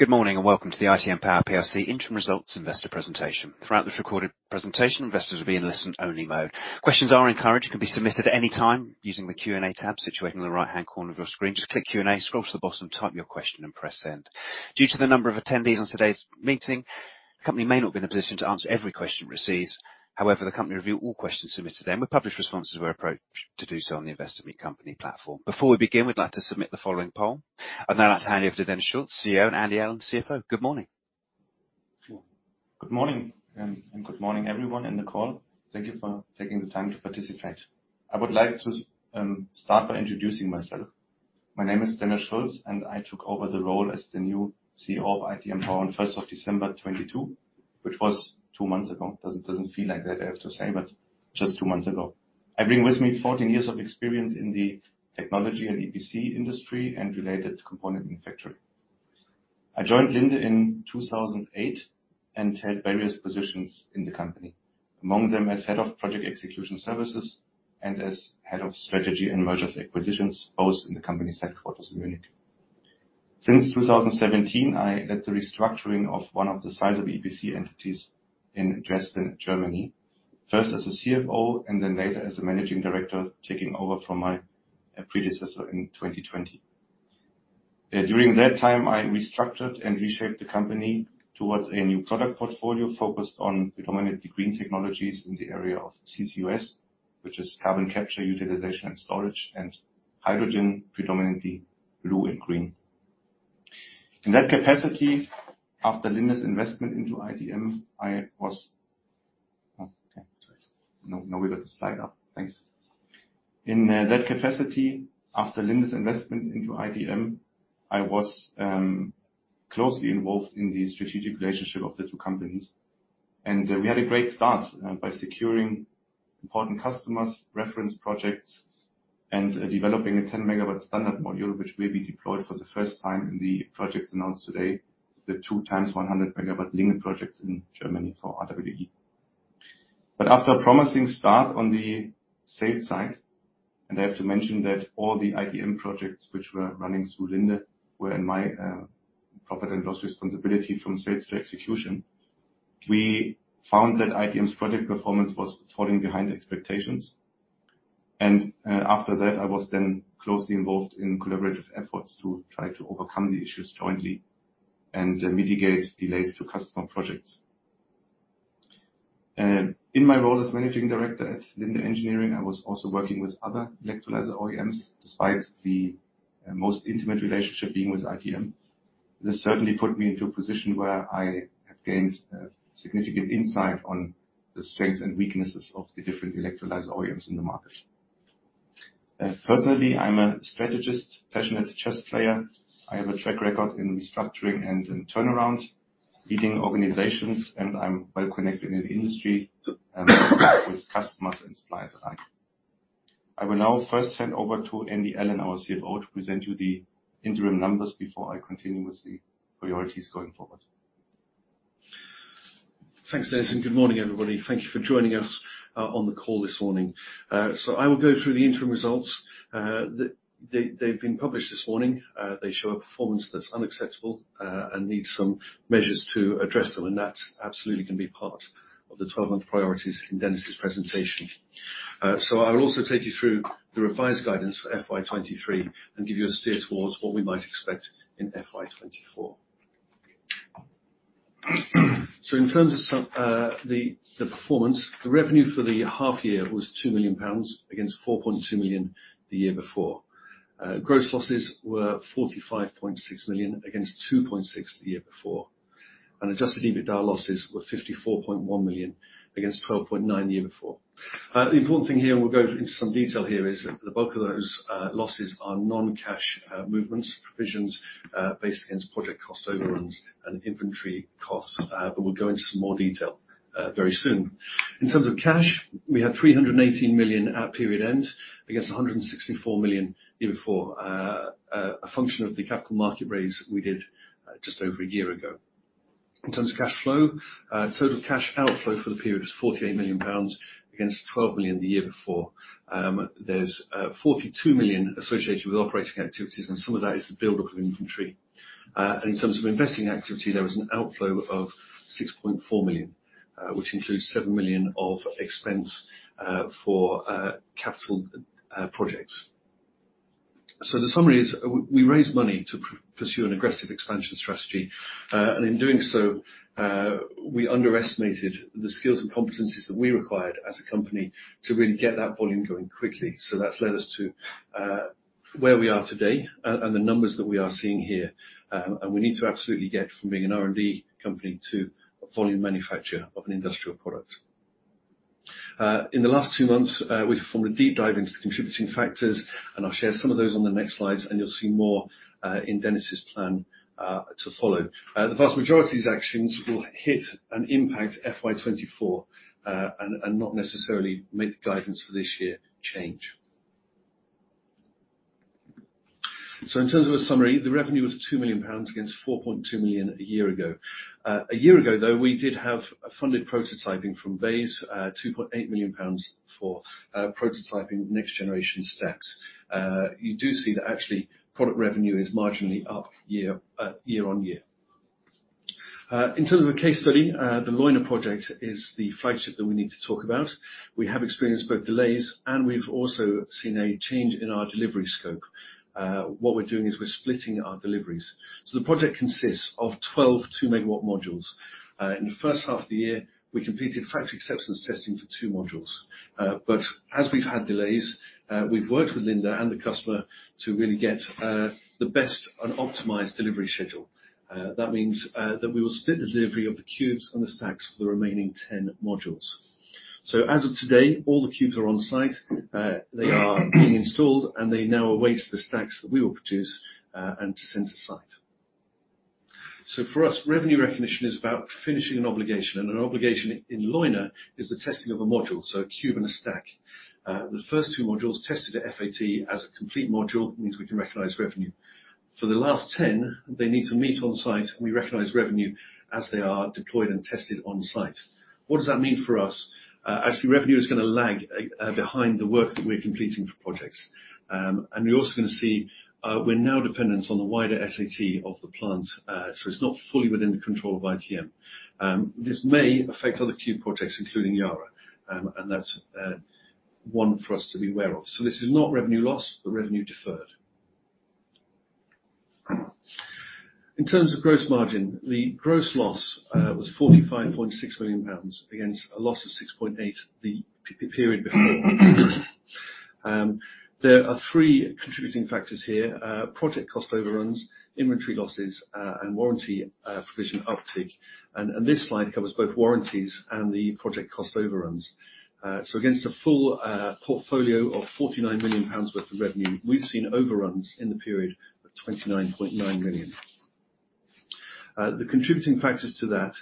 Good morning and welcome to the ITM Power PLC interim results investor presentation. Throughout this recorded presentation, investors will be in listen-only mode. Questions are encouraged and can be submitted at any time using the Q&A tab situated in the right-hand corner of your screen. Just click Q&A, scroll to the bottom, type your question and press send. Due to the number of attendees on today's meeting, the company may not be in a position to answer every question received. However, the company review all questions submitted to them, and publish responses where approached to do so on the Investor Meet Company platform. Before we begin, we'd like to submit the following poll. I'd now like to hand you over to Dennis Schulz, CEO, and Andy Allen, CFO. Good morning. Good morning and good morning, everyone in the call. Thank you for taking the time to participate. I would like to start by introducing myself. My name is Dennis Schulz, and I took over the role as the new CEO of ITM Power on 1st of December 2022, which was two months ago. Doesn't feel like that I have to say, but just two months ago. I bring with me 14 years of experience in the technology and EPC industry and related component manufacturing. I joined Linde in 2008 and held various positions in the company, among them as head of project execution services and as head of strategy and mergers acquisitions, both in the company's headquarters in Munich. Since 2017, I led the restructuring of one of the sizable EPC entities in Dresden, Germany, first as a CFO and then later as a managing director, taking over from my predecessor in 2020. During that time, I restructured and reshaped the company towards a new product portfolio focused on predominantly green technologies in the area of CCUS, which is carbon capture utilization and storage, and hydrogen, predominantly blue and green. In that capacity, after Linde's investment into ITM, I was closely involved in the strategic relationship of the two companies. We had a great start by securing important customers, reference projects, and developing a 10 MW standard module which will be deployed for the first time in the projects announced today, the 2x 100 MW Linde projects in Germany for RWE. After a promising start on the sales side, and I have to mention that all the ITM projects which were running through Linde were in my P&L responsibility from sales to execution, we found that ITM's project performance was falling behind expectations. After that, I was then closely involved in collaborative efforts to try to overcome the issues jointly and mitigate delays to customer projects. In my role as managing director at Linde Engineering, I was also working with other electrolyzer OEMs, despite the most intimate relationship being with ITM. This certainly put me into a position where I have gained significant insight on the strengths and weaknesses of the different electrolyzer OEMs in the market. Personally, I'm a strategist, passionate chess player. I have a track record in restructuring and in turnarounds, leading organizations, and I'm well-connected in the industry, with customers and suppliers alike. I will now first hand over to Andy Allen, our CFO, to present you the interim numbers before I continue with the priorities going forward. Thanks, Dennis, good morning, everybody. Thank you for joining us on the call this morning. I will go through the interim results. They've been published this morning. They show a performance that's unacceptable and needs some measures to address them, and that absolutely can be part of the 12-month priorities in Dennis's presentation. I will also take you through the revised guidance for FY 2023 and give you a steer towards what we might expect in FY 2024. In terms of some, the performance, the revenue for the half year was 2 million pounds against 4.2 million the year before. Gross losses were 45.6 million against 2.6 million the year before. Adjusted EBITDA losses were 54.1 million against 12.9 million the year before. The important thing here, and we'll go into some detail here, is the bulk of those losses are non-cash movements, provisions, based against project cost overruns and inventory costs. We'll go into some more detail very soon. In terms of cash, we have 318 million at period end against 164 million the year before, a function of the capital market raise we did just over a year ago. In terms of cash flow, total cash outflow for the period was 48 million pounds against 12 million the year before. There's 42 million associated with operating activities, and some of that is the build-up of inventory. In terms of investing activity, there was an outflow of 6.4 million, which includes 7 million of expense for capital projects. The summary is we raised money to pursue an aggressive expansion strategy. In doing so, we underestimated the skills and competencies that we required as a company to really get that volume going quickly. That's led us to where we are today and the numbers that we are seeing here. We need to absolutely get from being an R&D company to a volume manufacturer of an industrial product. In the last two months, we've performed a deep dive into the contributing factors, and I'll share some of those on the next slides, and you'll see more in Dennis's plan to follow. The vast majority of these actions will hit and impact FY 2024, and not necessarily make the guidance for this year change. In terms of a summary, the revenue was 2 million pounds against 4.2 million a year ago. A year ago, though, we did have funded prototyping from BEIS, 2.8 million pounds for prototyping next generation stacks. You do see that actually product revenue is marginally up year-on-year. In terms of a case study, the Leuna project is the flagship that we need to talk about. We have experienced both delays, and we've also seen a change in our delivery scope. What we're doing is we're splitting our deliveries. The project consists of 12 2-MW modules. In the first half of the year, we completed factory acceptance testing for two modules. As we've had delays, we've worked with Linde and the customer to really get the best and optimized delivery schedule. That means that we will split the delivery of the cubes and the stacks for the remaining 10 modules. As of today, all the cubes are on site. They are being installed, and they now await the stacks that we will produce and to send to site. For us, revenue recognition is about finishing an obligation, and an obligation in Leuna is the testing of a module, so a cube and a stack. The first two modules tested at FAT as a complete module means we can recognize revenue. For the last 10, they need to meet on-site, and we recognize revenue as they are deployed and tested on-site. What does that mean for us? Actually, revenue is gonna lag behind the work that we're completing for projects. We're also gonna see, we're now dependent on the wider SAT of the plant, so it's not fully within the control of ITM. This may affect other cube projects, including Yara, and that's one for us to be aware of. This is not revenue loss, but revenue deferred. In terms of gross margin, the gross loss was 45.6 million pounds against a loss of 6.8 million the period before. There are three contributing factors here, project cost overruns, inventory losses, and warranty provision uptick. This slide covers both warranties and the project cost overruns. Against a full portfolio of 49 million pounds worth of revenue, we've seen overruns in the period of 29.9 million. The contributing factors to that,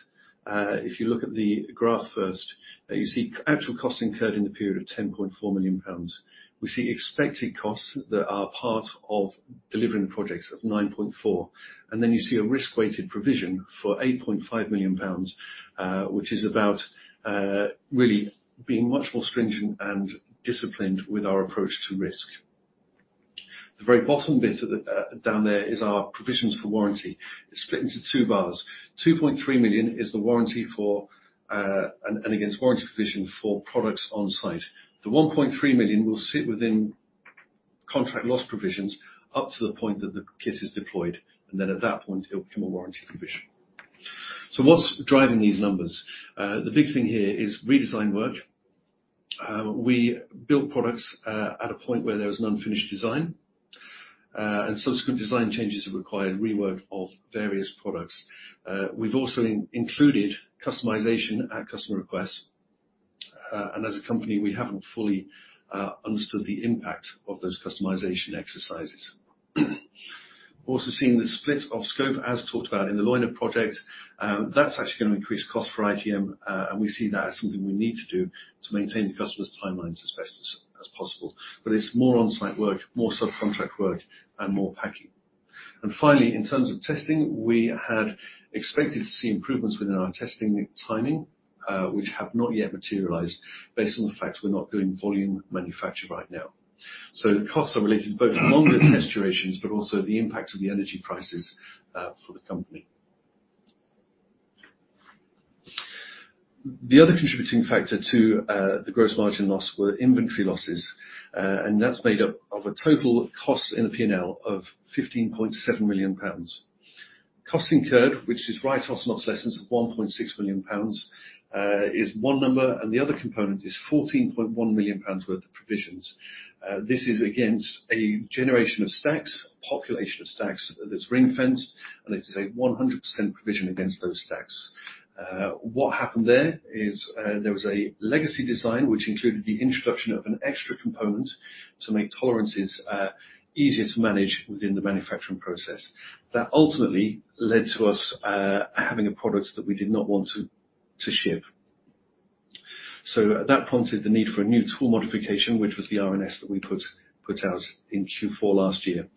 if you look at the graph first, you see actual costs incurred in the period of 10.4 million pounds. We see expected costs that are part of delivering projects of 9.4 million. You see a risk-weighted provision for 8.5 million pounds, which is about really being much more stringent and disciplined with our approach to risk. The very bottom bit at the down there is our provisions for warranty. It's split into two bars. 2.3 million is the warranty for and against warranty provision for products on-site. The 1.3 million will sit within contract loss provisions up to the point that the case is deployed, and then at that point, it'll become a warranty provision. What's driving these numbers? The big thing here is redesign work. We built products at a point where there was an unfinished design, and subsequent design changes have required rework of various products. We've also included customization at customer requests, and as a company, we haven't fully understood the impact of those customization exercises. Also seeing the split of scope as talked about in the Leuna project, that's actually gonna increase cost for ITM, and we see that as something we need to do to maintain the customer's timelines as best as possible. It's more on-site work, more sub-contract work, and more packing. Finally, in terms of testing, we had expected to see improvements within our testing timing, which have not yet materialized based on the fact we're not doing volume manufacture right now. The costs are related both longer test durations, but also the impact of the energy prices for the company. The other contributing factor to the gross margin loss were inventory losses, and that's made up of a total cost in the P&L of 15.7 million pounds. Costs incurred, which is write-offs, not lessons, of 1.6 million pounds, is one number, and the other component is 14.1 million pounds worth of provisions. This is against a generation of stacks, population of stacks that's ring-fenced, and this is a 100% provision against those stacks. What happened there is, there was a legacy design which included the introduction of an extra component to make tolerances, easier to manage within the manufacturing process. That ultimately led to us, having a product that we did not want to ship. That prompted the need for a new tool modification, which was the RNS that we put out in Q4 last year.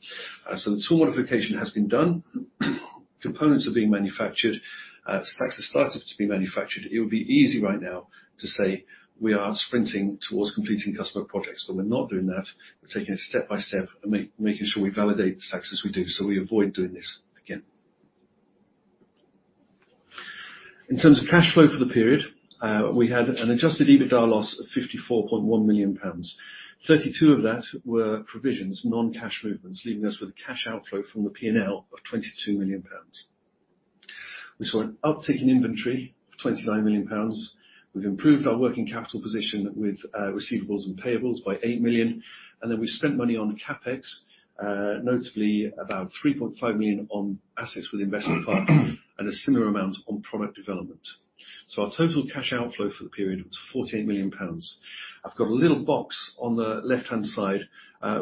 The tool modification has been done. Components are being manufactured. Stacks have started to be manufactured. It would be easy right now to say we are sprinting towards completing customer projects, but we're not doing that. We're taking it step by step and making sure we validate the stacks as we do, so we avoid doing this again. In terms of cash flow for the period, we had an adjusted EBITDA loss of 54.1 million pounds. 32 million of that were provisions, non-cash movements, leaving us with a cash outflow from the P&L of 22 million pounds. We saw an uptick in inventory of 29 million pounds. We've improved our working capital position with receivables and payables by 8 million, and then we spent money on CapEx, notably about 3.5 million on assets with investment partners and a similar amount on product development. Our total cash outflow for the period was 48 million pounds. I've got a little box on the left-hand side,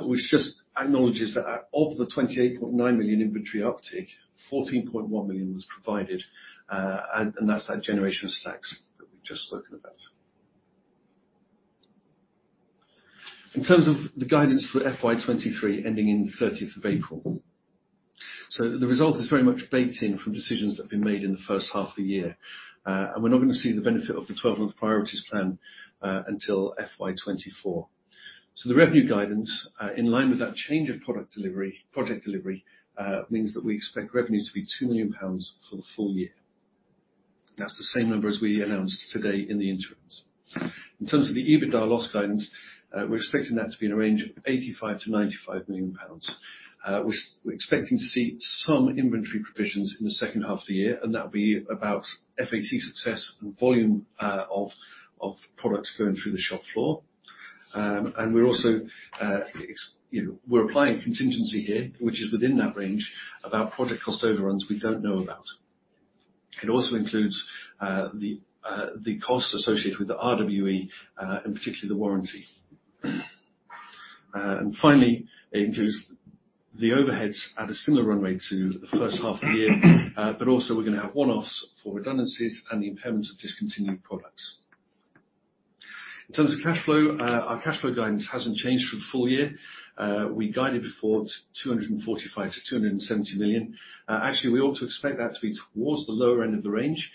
which just acknowledges that out of the 28.9 million inventory uptick, 14.1 million was provided, and that's that generation of stacks that we've just spoken about. In terms of the guidance for FY 2023 ending in 30th of April. The result is very much baked in from decisions that have been made in the first half of the year. We're not gonna see the benefit of the 12-month priorities plan, until FY 2024. The revenue guidance, in line with that change of product delivery, project delivery, means that we expect revenue to be 2 million pounds for the full year. That's the same number as we announced today in the interim. In terms of the EBITDA loss guidance, we're expecting that to be in a range of 85 million-95 million pounds. We're expecting to see some inventory provisions in the second half of the year, and that will be about FAT success and volume, of products going through the shop floor. You know, we're applying contingency here, which is within that range, about project cost overruns we don't know about. It also includes the costs associated with the RWE, and particularly the warranty. Finally, it includes the overheads at a similar runway to the first half of the year, but also we're gonna have one-offs for redundancies and the impairment of discontinued products. In terms of cash flow, our cash flow guidance hasn't changed for the full year. We guided before 245 million-270 million. Actually, we ought to expect that to be towards the lower end of the range,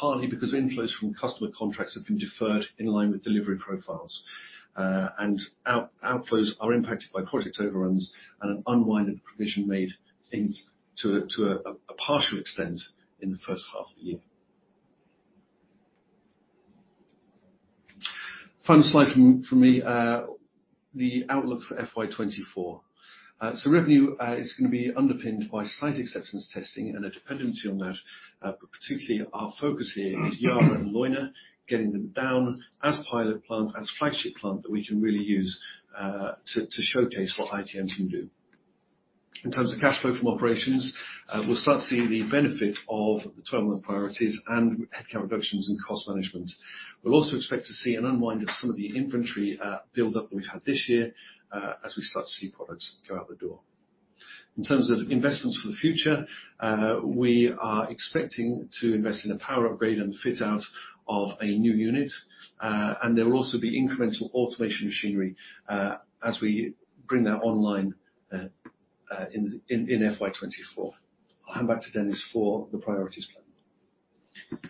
partly because inflows from customer contracts have been deferred in line with delivery profiles. Outflows are impacted by project overruns and an unwind of the provision made to a partial extent in the first half of the year. Final slide from me, the outlook for FY 2024. Revenue is going to be underpinned by site acceptance testing and a dependency on that, but particularly our focus here is Yara and Leuna, getting them down as pilot plant, as flagship plant that we can really use to showcase what ITM can do. In terms of cash flow from operations, we'll start seeing the benefit of the 12-month priorities and headcount reductions and cost management. We'll also expect to see an unwind of some of the inventory build-up that we've had this year, as we start to see products go out the door. In terms of investments for the future, we are expecting to invest in a power upgrade and fit out of a new unit, and there will also be incremental automation machinery, as we bring that online, in FY 2024. I'll hand back to Dennis for the priorities plan.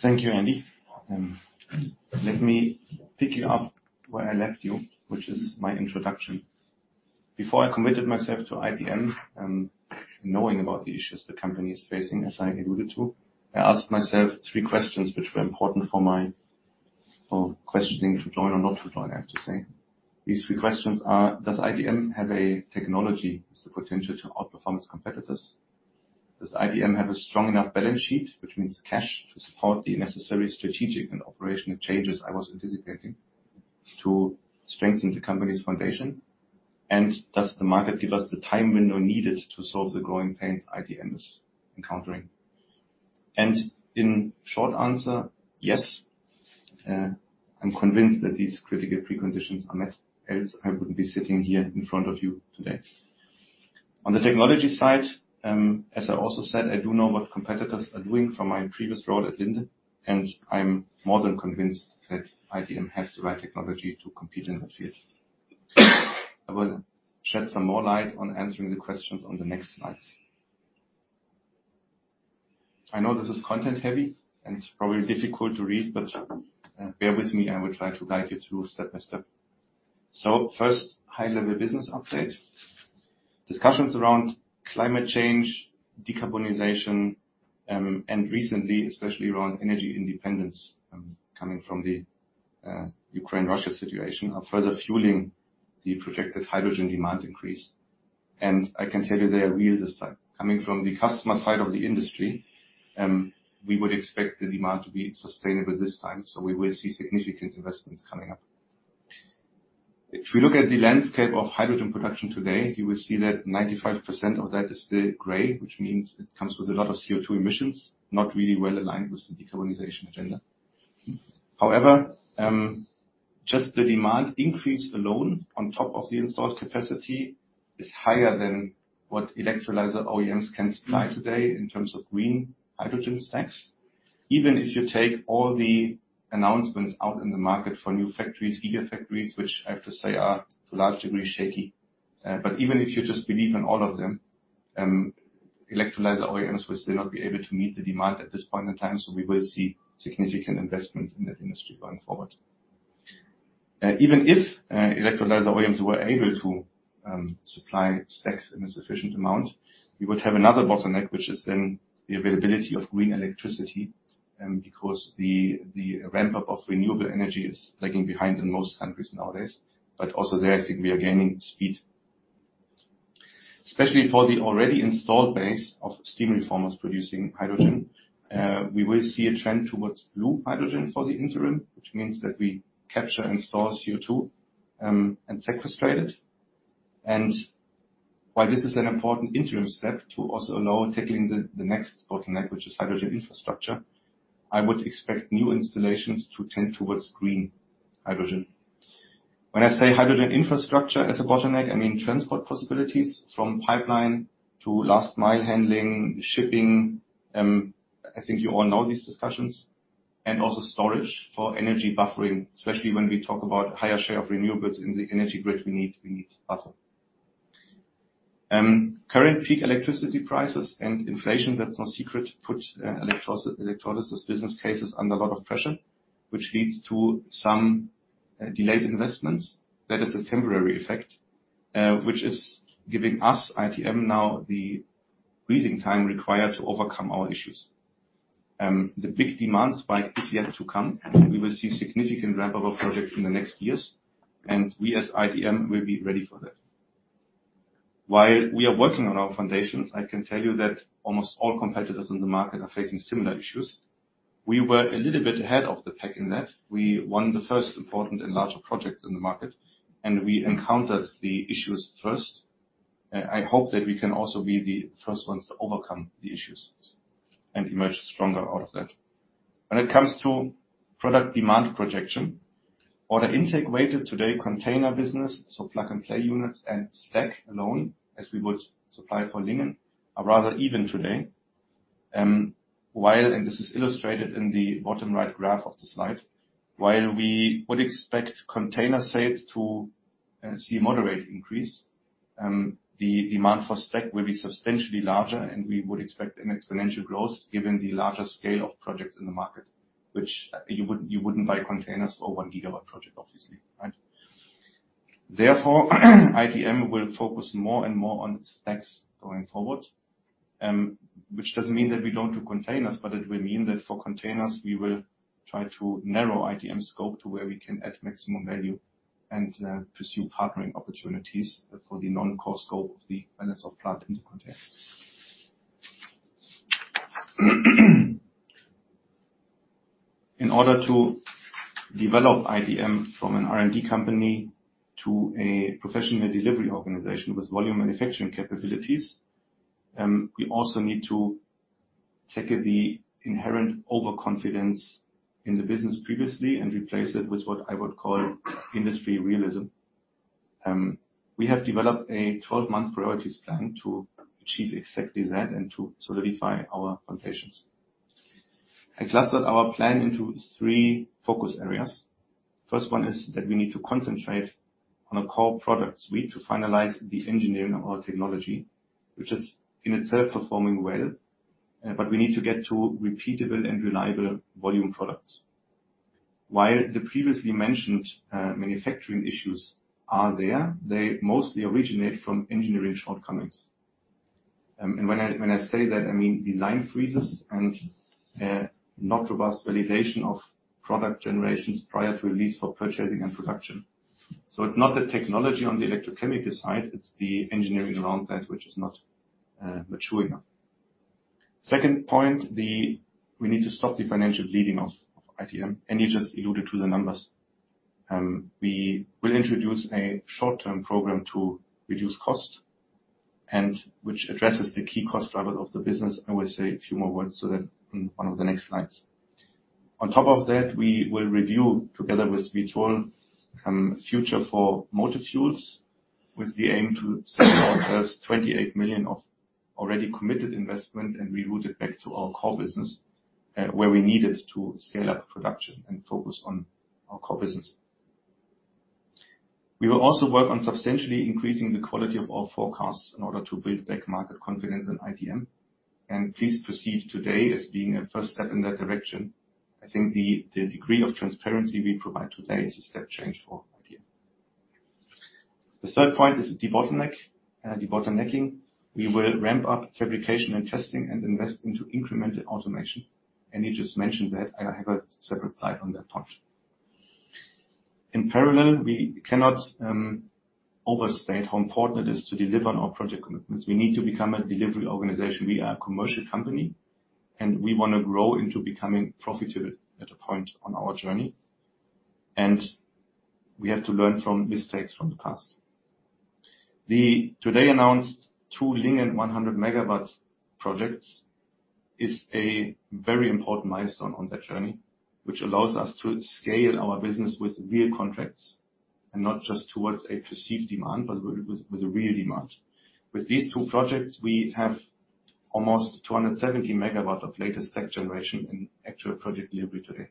Thank you, Andy. Let me pick you up where I left you, which is my introduction. Before I committed myself to ITM and knowing about the issues the company is facing, as I alluded to, I asked myself three questions which were important for my questioning to join or not to join, I have to say. These three questions are, does ITM have a technology with the potential to outperform its competitors? Does ITM have a strong enough balance sheet, which means cash, to support the necessary strategic and operational changes I was anticipating to strengthen the company's foundation? Does the market give us the time window needed to solve the growing pains ITM is encountering? In short answer, yes, I'm convinced that these critical preconditions are met, else I wouldn't be sitting here in front of you today. On the technology side, as I also said, I do know what competitors are doing from my previous role at Linde, and I'm more than convinced that ITM has the right technology to compete in the field. I will shed some more light on answering the questions on the next slides. I know this is content heavy, and it's probably difficult to read, but bear with me. I will try to guide you through step by step. First, high-level business update. Discussions around climate change, decarbonization, and recently, especially around energy independence, coming from the Ukraine-Russia situation, are further fueling the projected hydrogen demand increase. I can tell you they are real this time. Coming from the customer side of the industry, we would expect the demand to be sustainable this time. We will see significant investments coming up. If we look at the landscape of hydrogen production today, you will see that 95% of that is still gray, which means it comes with a lot of CO₂ emissions, not really well aligned with the decarbonization agenda. However, just the demand increase alone on top of the installed capacity is higher than what electrolyzer OEMs can supply today in terms of green hydrogen stacks. Even if you take all the announcements out in the market for new factories, gigafactories, which I have to say are to a large degree shaky. Even if you just believe in all of them, electrolyzer OEMs will still not be able to meet the demand at this point in time, so we will see significant investments in that industry going forward. Even if electrolyzer OEMs were able to supply stacks in a sufficient amount, we would have another bottleneck, which is then the availability of green electricity, because the ramp-up of renewable energy is lagging behind in most countries nowadays. Also there, I think we are gaining speed. Especially for the already installed base of steam reformers producing hydrogen, we will see a trend towards blue hydrogen for the interim, which means that we capture and store CO₂, and sequestrate it. While this is an important interim step to also allow tackling the next bottleneck, which is hydrogen infrastructure, I would expect new installations to tend towards green hydrogen. When I say hydrogen infrastructure as a bottleneck, I mean transport possibilities from pipeline to last mile handling, shipping, I think you all know these discussions, and also storage for energy buffering, especially when we talk about higher share of renewables in the energy grid we need to buffer. Current peak electricity prices and inflation, that's no secret, put electrolysis business cases under a lot of pressure, which leads to some delayed investments. That is a temporary effect, which is giving us, ITM, now the breathing time required to overcome our issues. The big demand spike is yet to come. We will see significant ramp of our projects in the next years, and we as ITM will be ready for that. While we are working on our foundations, I can tell you that almost all competitors in the market are facing similar issues. We were a little bit ahead of the pack in that. We won the first important and larger projects in the market. We encountered the issues first. I hope that we can also be the first ones to overcome the issues and emerge stronger out of that. When it comes to product demand projection, order intake weighted today container business, so plug and play units and stack alone, as we would supply for Lingen, are rather even today. While, and this is illustrated in the bottom right graph of the slide, while we would expect container sales to see moderate increase, the demand for stack will be substantially larger, and we would expect an exponential growth given the larger scale of projects in the market, which you wouldn't buy containers for one gigawatt project, obviously, right? Therefore, ITM will focus more and more on stacks going forward, which doesn't mean that we don't do containers, but it will mean that for containers, we will try to narrow ITM's scope to where we can add maximum value and pursue partnering opportunities for the non-core scope of the balance of plant in the container. In order to develop ITM from an R&D company to a professional delivery organization with volume manufacturing capabilities, we also need to take the inherent overconfidence in the business previously and replace it with what I would call industry realism. We have developed a 12-month priorities plan to achieve exactly that and to solidify our foundations. I clustered our plan into three focus areas. First one is that we need to concentrate on a core product suite to finalize the engineering of our technology, which is in itself performing well, but we need to get to repeatable and reliable volume products. While the previously mentioned, manufacturing issues are there, they mostly originate from engineering shortcomings. When I, when I say that, I mean design freezes and not robust validation of product generations prior to release for purchasing and production. It's not the technology on the electrochemical side, it's the engineering around that which is not mature enough. Second point, we need to stop the financial bleeding of ITM, and you just alluded to the numbers. We will introduce a short-term program to reduce cost and which addresses the key cost drivers of the business. I will say a few more words to that on one of the next slides. We will review, together with Vitol, future for motive fuels with the aim to set ourselves 28 million of already committed investment and reroute it back to our core business, where we need it to scale up production and focus on our core business. We will also work on substantially increasing the quality of our forecasts in order to build back market confidence in ITM. Please perceive today as being a first step in that direction. I think the degree of transparency we provide today is a step change for ITM. The third point is debottlenecking. We will ramp up fabrication and testing and invest into incremental automation. You just mentioned that. I have a separate slide on that point. In parallel, we cannot overstate how important it is to deliver on our project commitments. We need to become a delivery organization. We are a commercial company, and we wanna grow into becoming profitable at a point on our journey, and we have to learn from mistakes from the past. The today-announced two Lingen 100 MW projects is a very important milestone on that journey, which allows us to scale our business with real contracts and not just towards a perceived demand, but with a real demand. With these two projects, we have almost 270 MW of latest stack generation in actual project delivery today,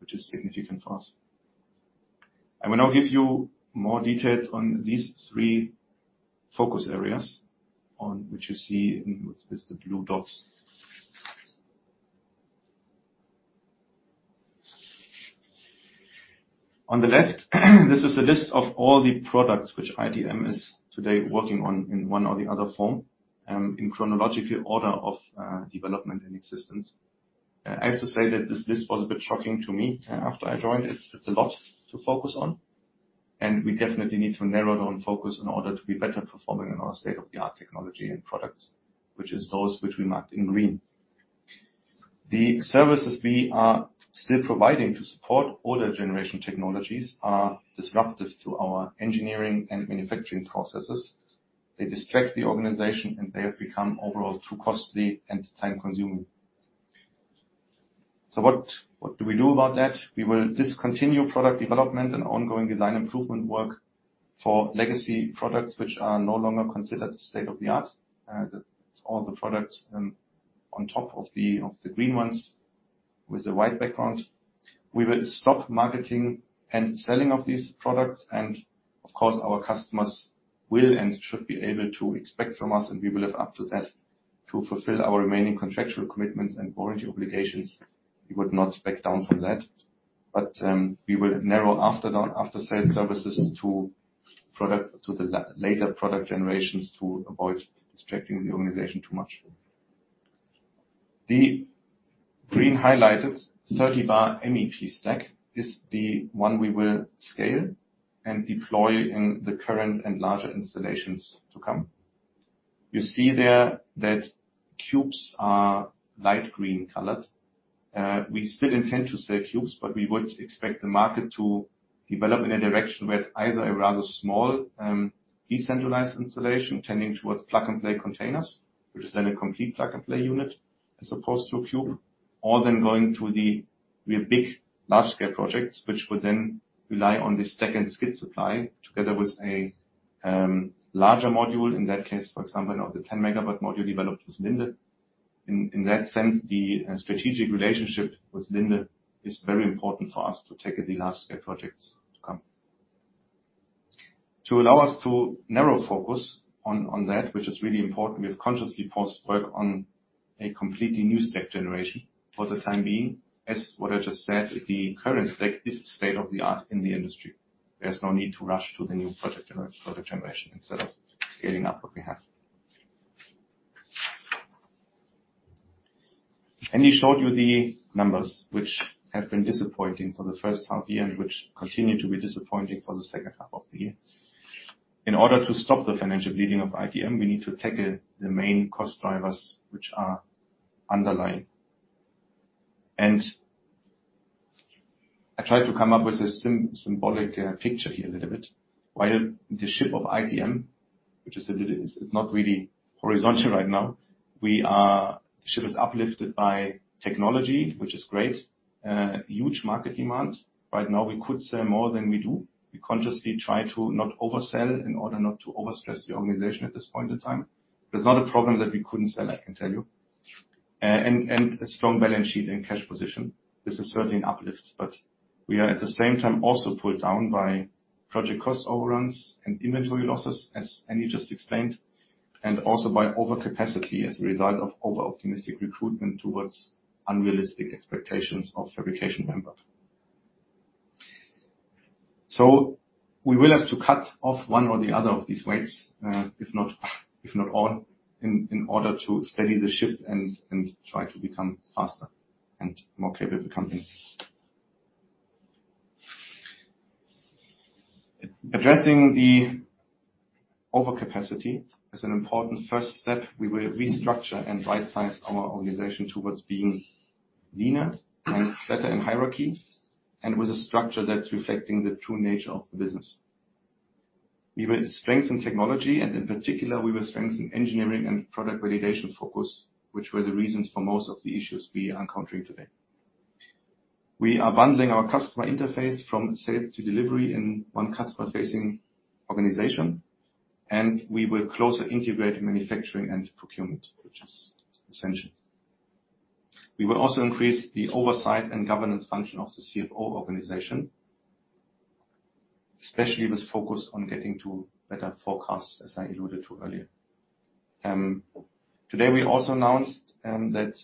which is significant for us. I will now give you more details on these three focus areas, on which you see with the blue dots. On the left, this is a list of all the products which ITM is today working on in one or the other form, in chronological order of development and existence. I have to say that this list was a bit shocking to me after I joined. It's a lot to focus on, and we definitely need to narrow down focus in order to be better performing in our state-of-the-art technology and products, which is those which we marked in green. The services we are still providing to support older generation technologies are disruptive to our engineering and manufacturing processes. They distract the organization, and they have become overall too costly and time-consuming. What do we do about that? We will discontinue product development and ongoing design improvement work for legacy products which are no longer considered state of the art. That's all the products on top of the green ones with the white background. We will stop marketing and selling of these products. Of course, our customers will and should be able to expect from us, and we will live up to that. To fulfill our remaining contractual commitments and warranty obligations, we would not back down from that. We will narrow after sales services to later product generations to avoid distracting the organization too much. The green highlighted 30 bar MEP stack is the one we will scale and deploy in the current and larger installations to come. You see there that cubes are light green colored. We still intend to sell cubes, but we would expect the market to develop in a direction with either a rather small, decentralized installation tending towards plug-and-play containers, which is then a complete plug-and-play unit as opposed to a cube. Going to the big large-scale projects which would then rely on this second skid supply together with a larger module. In that case, for example, of the 10 MW module developed with Linde. In that sense, the strategic relationship with Linde is very important for us to tackle the large scale projects to come. To allow us to narrow focus on that, which is really important, we have consciously paused work on a completely new stack generation for the time being. As what I just said, the current stack is state-of-the-art in the industry. There's no need to rush to the new project generation instead of scaling up what we have. Andy showed you the numbers which have been disappointing for the first half year and which continue to be disappointing for the second half of the year. In order to stop the financial bleeding of ITM, we need to tackle the main cost drivers which are underlying. I tried to come up with a symbolic picture here a little bit. While the ship of ITM. It's not really horizontal right now. The ship is uplifted by technology, which is great. Huge market demand. Right now, we could sell more than we do. We consciously try to not oversell in order not to overstress the organization at this point in time. There's not a problem that we couldn't sell, I can tell you. A strong balance sheet and cash position. This is certainly an uplift, but we are at the same time also pulled down by project cost overruns and inventory losses, as Andy just explained, and also by overcapacity as a result of overoptimistic recruitment towards unrealistic expectations of fabrication member. We will have to cut off one or the other of these weights, if not all, in order to steady the ship and try to become faster and more capable company. Addressing the overcapacity is an important first step. We will restructure and right-size our organization towards being leaner and flatter in hierarchy, and with a structure that's reflecting the true nature of the business. We will strengthen technology, and in particular, we will strengthen engineering and product validation focus, which were the reasons for most of the issues we are encountering today. We are bundling our customer interface from sales to delivery in one customer-facing organization, and we will closer integrate manufacturing and procurement, which is essential. We will also increase the oversight and governance function of the CFO organization, especially with focus on getting to better forecasts, as I alluded to earlier. Today we also announced that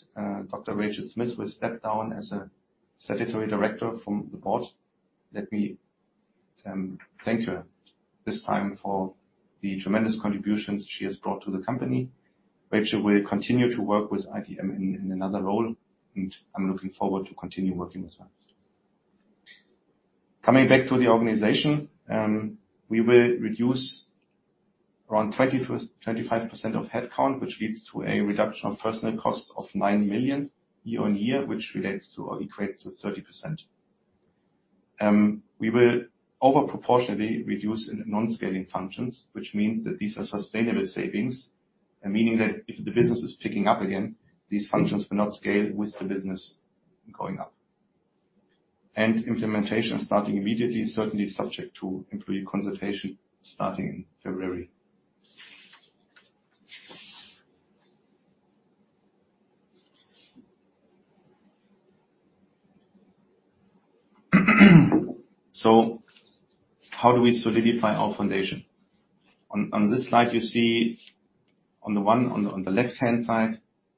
Dr Rachel Smith will step down as a statutory director from the board. Let me thank her this time for the tremendous contributions she has brought to the company. Rachel will continue to work with ITM in another role, and I'm looking forward to continue working with her. Coming back to the organization, we will reduce around 25% of headcount, which leads to a reduction of personnel costs of 9 million year-on-year, which relates to or equates to 30%. We will over proportionally reduce in non-scaling functions, which means that these are sustainable savings, and meaning that if the business is picking up again, these functions will not scale with the business going up. Implementation starting immediately, certainly subject to employee consultation starting in February. How do we solidify our foundation? On this slide, you see on the left-hand side,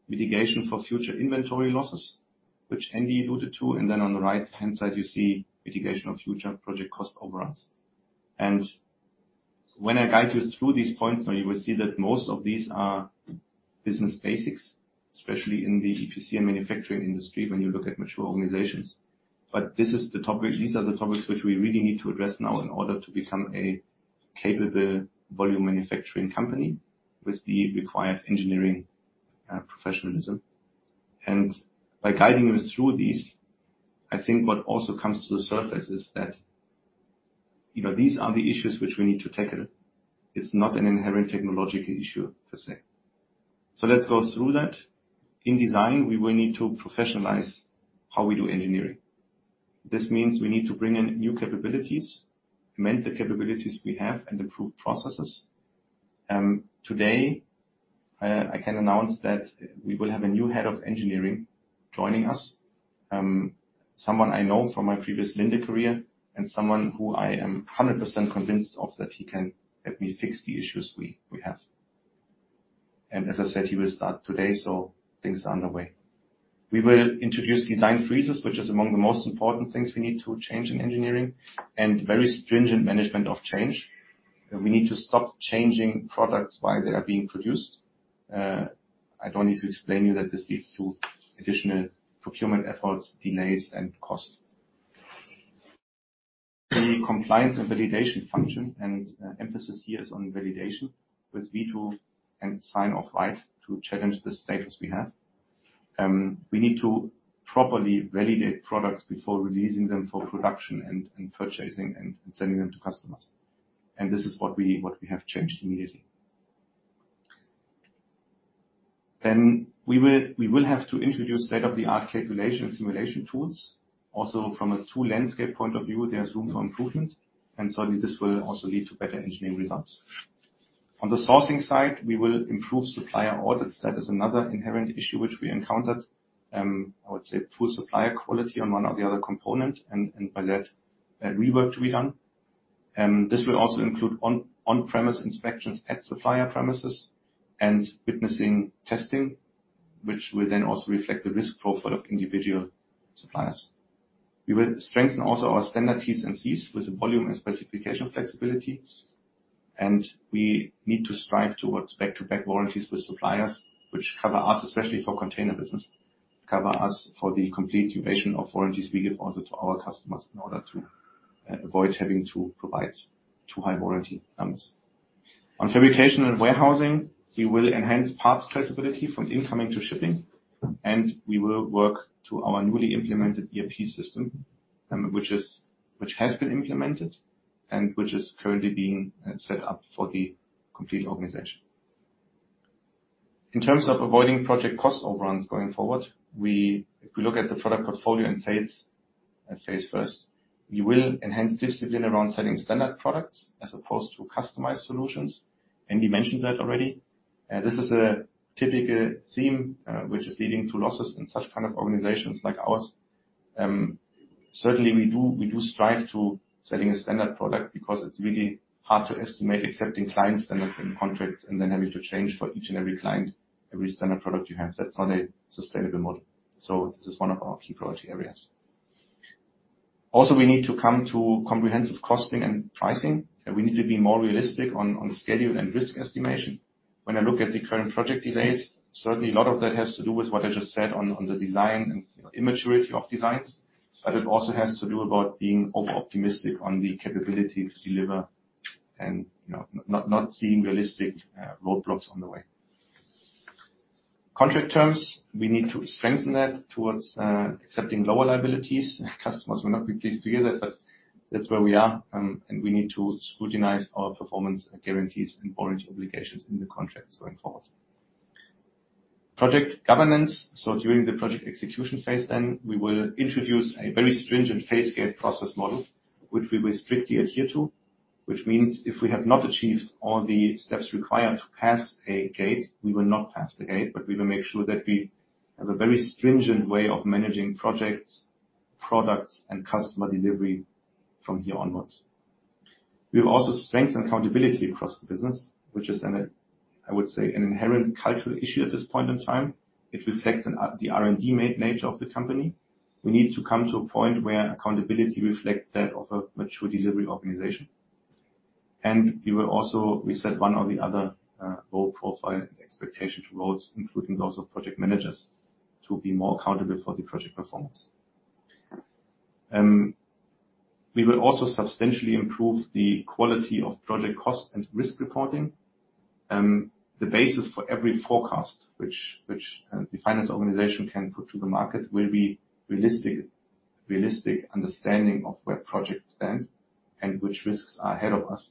mitigation for future inventory losses, which Andy alluded to. On the right-hand side, you see mitigation of future project cost overruns. When I guide you through these points, you will see that most of these are business basics, especially in the EPC and manufacturing industry when you look at mature organizations. These are the topics which we really need to address now in order to become a capable volume manufacturing company with the required engineering professionalism. By guiding us through these, I think what also comes to the surface is that, you know, these are the issues which we need to tackle. It's not an inherent technological issue per se. Let's go through that. In design, we will need to professionalize how we do engineering. This means we need to bring in new capabilities, amend the capabilities we have and improve processes. Today, I can announce that we will have a new head of engineering joining us. Someone I know from my previous Lingen career and someone who I am 100% convinced of that he can help me fix the issues we have. As I said, he will start today, so things are underway. We will introduce design freezes, which is among the most important things we need to change in engineering, and very stringent management of change. We need to stop changing products while they are being produced. I don't need to explain to you that this leads to additional procurement efforts, delays and costs. The compliance and validation function, and emphasis here is on validation with V2 and sign-off right to challenge the status we have. We need to properly validate products before releasing them for production and purchasing and sending them to customers. This is what we have changed immediately. We will have to introduce state-of-the-art calculation and simulation tools. Also from a tool landscape point of view, there's room for improvement, and certainly this will also lead to better engineering results. On the sourcing side, we will improve supplier audits. That is another inherent issue which we encountered. I would say poor supplier quality on one or the other component and by that, rework to be done. This will also include on-premise inspections at supplier premises and witnessing testing, which will then also reflect the risk profile of individual suppliers. We will strengthen also our standard T&Cs with volume and specification flexibilities, and we need to strive towards back-to-back warranties with suppliers which cover us, especially for container business, cover us for the complete duration of warranties we give also to our customers in order to avoid having to provide too high warranty limits. On fabrication and warehousing, we will enhance parts traceability from incoming to shipping, and we will work to our newly implemented ERP system, which has been implemented and which is currently being set up for the complete organization. In terms of avoiding project cost overruns going forward, if we look at the product portfolio and sales phase first, we will enhance discipline around selling standard products as opposed to customized solutions. Andy mentioned that already. This is a typical theme which is leading to losses in such kind of organizations like ours. Certainly we do strive to selling a standard product because it's really hard to estimate accepting client standards and contracts and then having to change for each and every client, every standard product you have. That's not a sustainable model. This is one of our key priority areas. Also, we need to come to comprehensive costing and pricing, and we need to be more realistic on schedule and risk estimation. When I look at the current project delays, certainly a lot of that has to do with what I just said on the design and immaturity of designs, but it also has to do about being over-optimistic on the capability to deliver and, you know, not seeing realistic roadblocks on the way. Contract terms, we need to strengthen that towards accepting lower liabilities. Customers will not be pleased to hear that, but that's where we are, we need to scrutinize our performance guarantees and warranty obligations in the contracts going forward. Project governance. During the project execution phase, we will introduce a very stringent phase gate process model, which we will strictly adhere to, which means if we have not achieved all the steps required to pass a gate, we will not pass the gate, but we will make sure that we have a very stringent way of managing projects, products, and customer delivery from here onwards. We will also strengthen accountability across the business, which is an inherent cultural issue at this point in time. It reflects the R&D nature of the company. We need to come to a point where accountability reflects that of a mature delivery organization. We will also reset one or the other role profile and expectation roles, including those of project managers, to be more accountable for the project performance. We will also substantially improve the quality of project cost and risk reporting. The basis for every forecast which the finance organization can put to the market will be realistic understanding of where projects stand and which risks are ahead of us.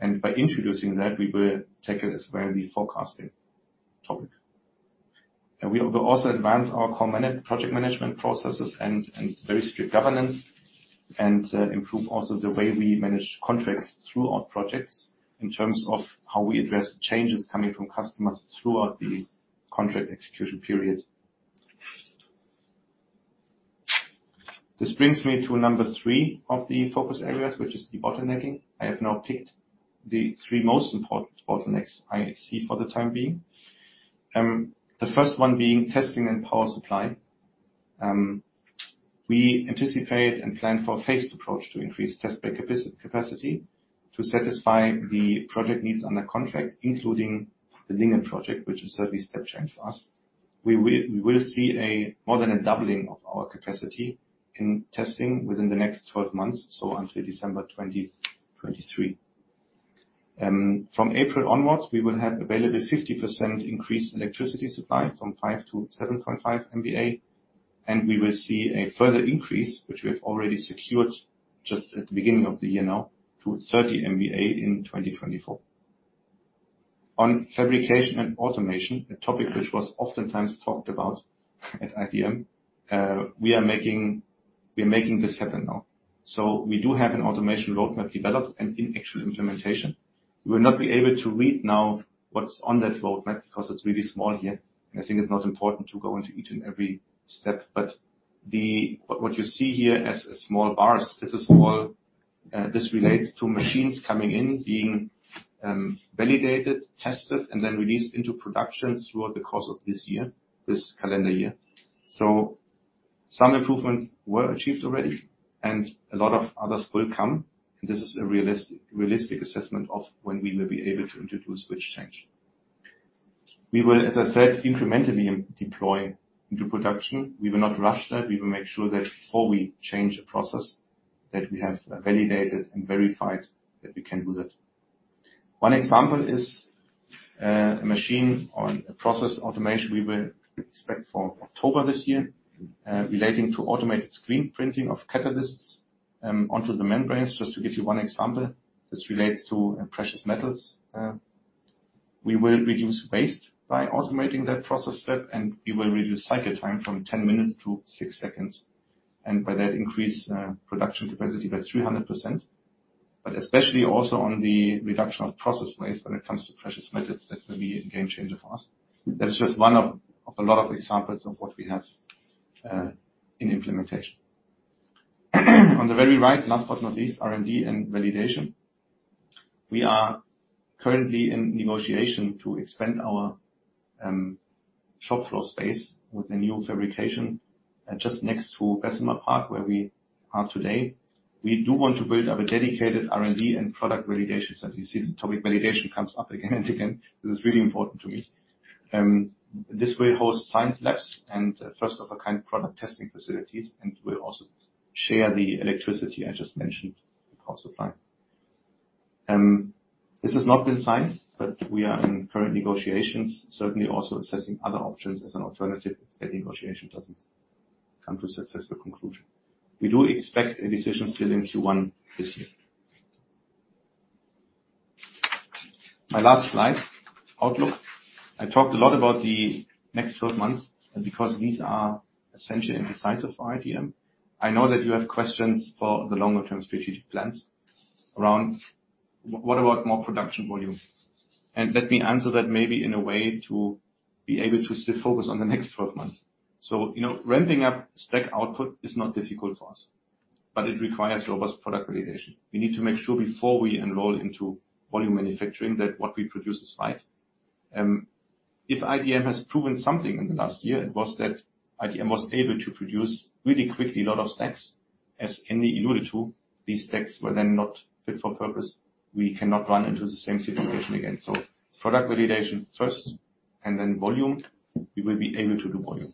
By introducing that, we will tackle this very forecasting topic. We will also advance our core project management processes and very strict governance and improve also the way we manage contracts throughout projects in terms of how we address changes coming from customers throughout the contract execution period. This brings me to number three of the focus areas, which is the bottlenecking. I have now picked the three most important bottlenecks I see for the time being. The first one being testing and power supply. We anticipate and plan for a phased approach to increase test bay capacity to satisfy the project needs under contract, including the Lingen project, which is certainly a step change for us. We will see a more than a doubling of our capacity in testing within the next 12 months, so until December 2023. From April onwards, we will have available 50% increased electricity supply from 5 to 7.5 MVA, and we will see a further increase, which we have already secured just at the beginning of the year now, to 30 MVA in 2024. On fabrication and automation, a topic which was oftentimes talked about at ITM, we are making this happen now. We do have an automation roadmap developed and in actual implementation. You will not be able to read now what's on that roadmap because it's really small here, and I think it's not important to go into each and every step. The what you see here as small bars, this relates to machines coming in, being validated, tested, and then released into production throughout the course of this year, this calendar year. Some improvements were achieved already, and a lot of others will come, and this is a realistic assessment of when we will be able to introduce switch change. We will, as I said, incrementally deploy into production. We will not rush that. We will make sure that before we change a process, that we have validated and verified that we can do that. One example is a machine on a process automation we will expect for October this year, relating to automated screen printing of catalysts onto the membranes, just to give you one example. This relates to precious metals. We will reduce waste by automating that process step, and we will reduce cycle time from 10 minutes to six seconds, and by that increase production capacity by 300%, but especially also on the reduction of process waste when it comes to precious methods, that will be a game changer for us. That is just one of a lot of examples of what we have in implementation. On the very right, last but not least, R&D and validation. We are currently in negotiation to expand our shop floor space with a new fabrication just next to Bessemer Park, where we are today. We do want to build up a dedicated R&D and product validation center. You see the topic validation comes up again and again. This is really important to me. This will host science labs and a first-of-a-kind product testing facilities, and will also share the electricity I just mentioned, the power supply. This has not been signed, but we are in current negotiations, certainly also assessing other options as an alternative if that negotiation doesn't come to a successful conclusion. We do expect a decision still in Q1 this year. My last slide, outlook. I talked a lot about the next 12 months. Because these are essentially indecisive for ITM, I know that you have questions for the longer-term strategic plans around what about more production volume. Let me answer that maybe in a way to be able to stay focused on the next 12 months. You know, ramping up stack output is not difficult for us, but it requires robust product validation. We need to make sure before we enroll into volume manufacturing that what we produce is right. If ITM has proven something in the last year, it was that ITM was able to produce really quickly a lot of stacks. As Andy alluded to, these stacks were then not fit for purpose. We cannot run into the same situation again. Product validation first, and then volume. We will be able to do volume.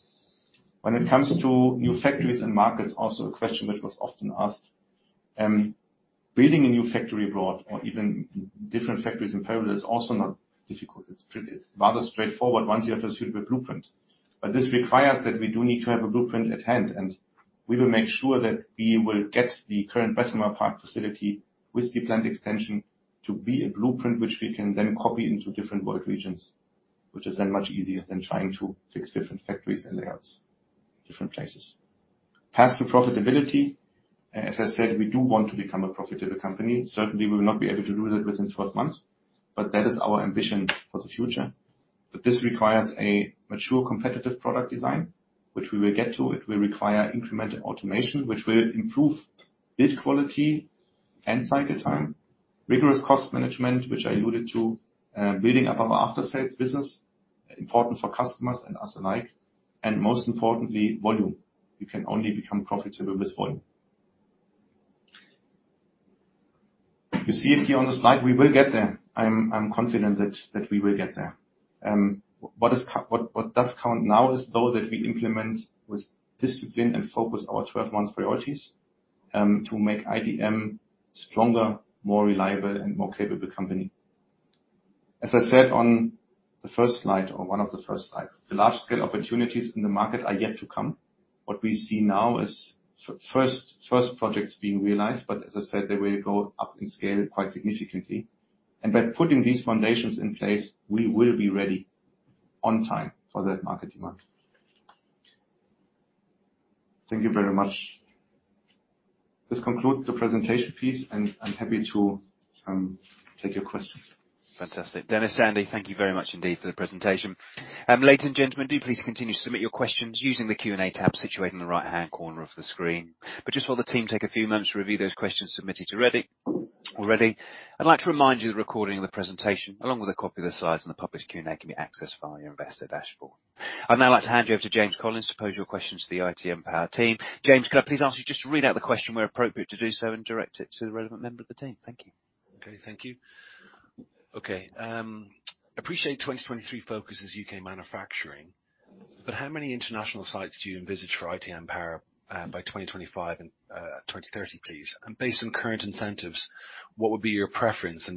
When it comes to new factories and markets, also a question which was often asked, building a new factory abroad or even different factories in parallel is also not difficult. It's rather straightforward once you have a suitable blueprint. This requires that we do need to have a blueprint at hand, and we will make sure that we will get the current Bessemer Park facility with the planned extension to be a blueprint which we can then copy into different world regions, which is then much easier than trying to fix different factories and layouts in different places. Path to profitability. As I said, we do want to become a profitable company. Certainly, we will not be able to do that within 12 months, but that is our ambition for the future. This requires a mature, competitive product design, which we will get to. It will require incremental automation, which will improve build quality and cycle time. Rigorous cost management, which I alluded to. Building up our after-sales business, important for customers and us alike. Most importantly, volume. You can only become profitable with volume. You see it here on the slide. We will get there. I'm confident that we will get there. What does count now is, though, that we implement with discipline and focus our 12-month priorities to make ITM stronger, more reliable, and more capable company. As I said on the first slide or one of the first slides, the large-scale opportunities in the market are yet to come. What we see now is first projects being realized, but as I said, they will go up in scale quite significantly. By putting these foundations in place, we will be ready on time for that market demand. Thank you very much. This concludes the presentation piece, and I'm happy to take your questions. Fantastic. Dennis, Andy, thank you very much indeed for the presentation. Ladies and gentlemen, do please continue to submit your questions using the Q&A tab situated in the right-hand corner of the screen. Just while the team take a few moments to review those questions submitted already, I'd like to remind you that a recording of the presentation, along with a copy of the slides and the published Q&A, can be accessed via your investor dashboard. I'd now like to hand you over to James Collins to pose your questions to the ITM Power team. James, could I please ask you just to read out the question where appropriate to do so, and direct it to the relevant member of the team. Thank you. Okay. Thank you. Okay, appreciate 2023 focus is U.K. manufacturing, but how many international sites do you envisage for ITM Power by 2025 and 2030, please? Based on current incentives, what would be your preference in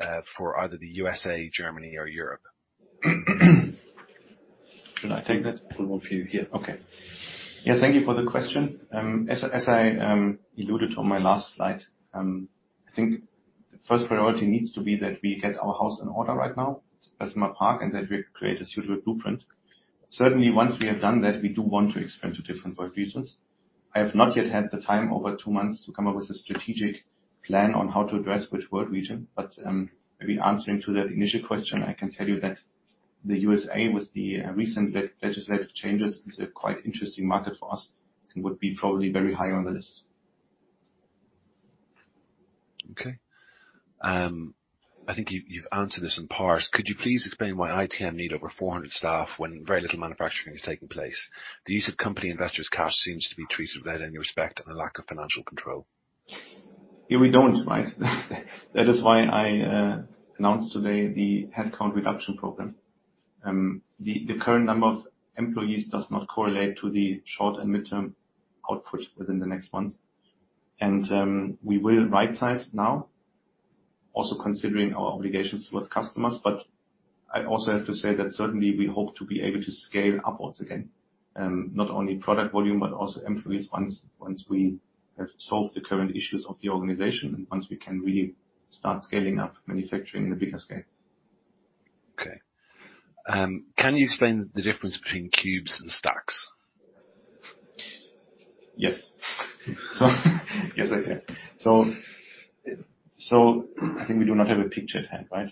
a for either the U.S.A., Germany, or Europe? Should I take that? One for you here. Okay. Yeah, thank you for the question. as I alluded on my last slide, First priority needs to be that we get our house in order right now as my park and that we create a suitable blueprint. Certainly, once we have done that, we do want to expand to different work regions. I have not yet had the time over two months to come up with a strategic plan on how to address which world region. maybe answering to that initial question, I can tell you that the USA, with the recent legislative changes, is a quite interesting market for us and would be probably very high on the list. Okay. I think you've answered this in part. Could you please explain why ITM need over 400 staff when very little manufacturing is taking place? The use of company investors' cash seems to be treated without any respect and a lack of financial control. Yeah, we don't, right? That is why I announced today the headcount reduction program. The current number of employees does not correlate to the short and mid-term output within the next months. We will right size now, also considering our obligations towards customers. I also have to say that certainly we hope to be able to scale upwards again, not only product volume, but also employees once we have solved the current issues of the organization and once we can really start scaling up manufacturing in a bigger scale. Can you explain the difference between cubes and stacks? Yes. Yes, I can. I think we do not have a picture at hand, right?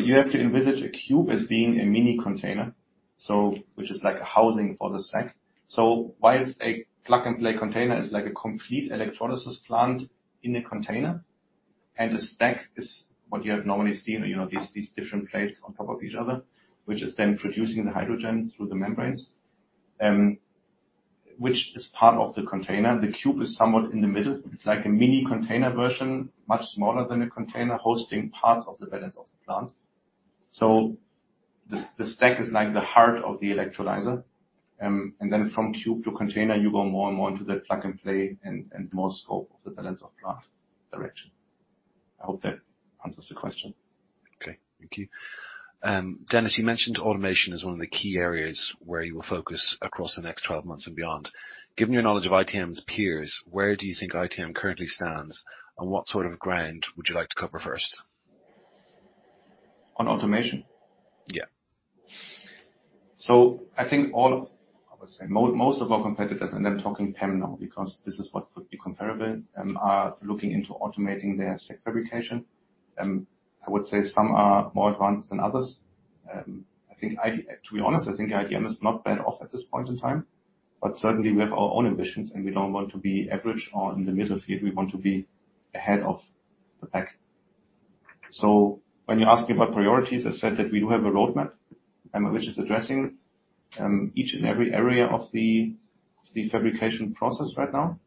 You have to envisage a cube as being a mini container, so which is like a housing for the stack. Whilst a plug-and-play container is like a complete electrolysis plant in a container, and the stack is what you have normally seen, you know, these different plates on top of each other, which is then producing the hydrogen through the membranes, which is part of the container. The cube is somewhat in the middle. It's like a mini container version, much smaller than a container hosting parts of the balance of the plant. The stack is like the heart of the electrolyzer. Then from cube to container, you go more and more into the plug-and-play and more scope of the balance of plant direction. I hope that answers the question? Okay, thank you. Dennis, you mentioned automation is one of the key areas where you will focus across the next 12 months and beyond. Given your knowledge of ITM's peers, where do you think ITM currently stands, and what sort of ground would you like to cover first? On automation? Yeah. I think all of I would say most of our competitors, and I'm talking PEM now because this is what would be comparable, are looking into automating their stack fabrication. I would say some are more advanced than others. I think, to be honest, I think ITM is not bad off at this point in time, but certainly we have our own ambitions, and we don't want to be average or in the middle field. We want to be ahead of the pack. When you ask me about priorities, I said that we do have a roadmap, which is addressing each and every area of the fabrication process right now,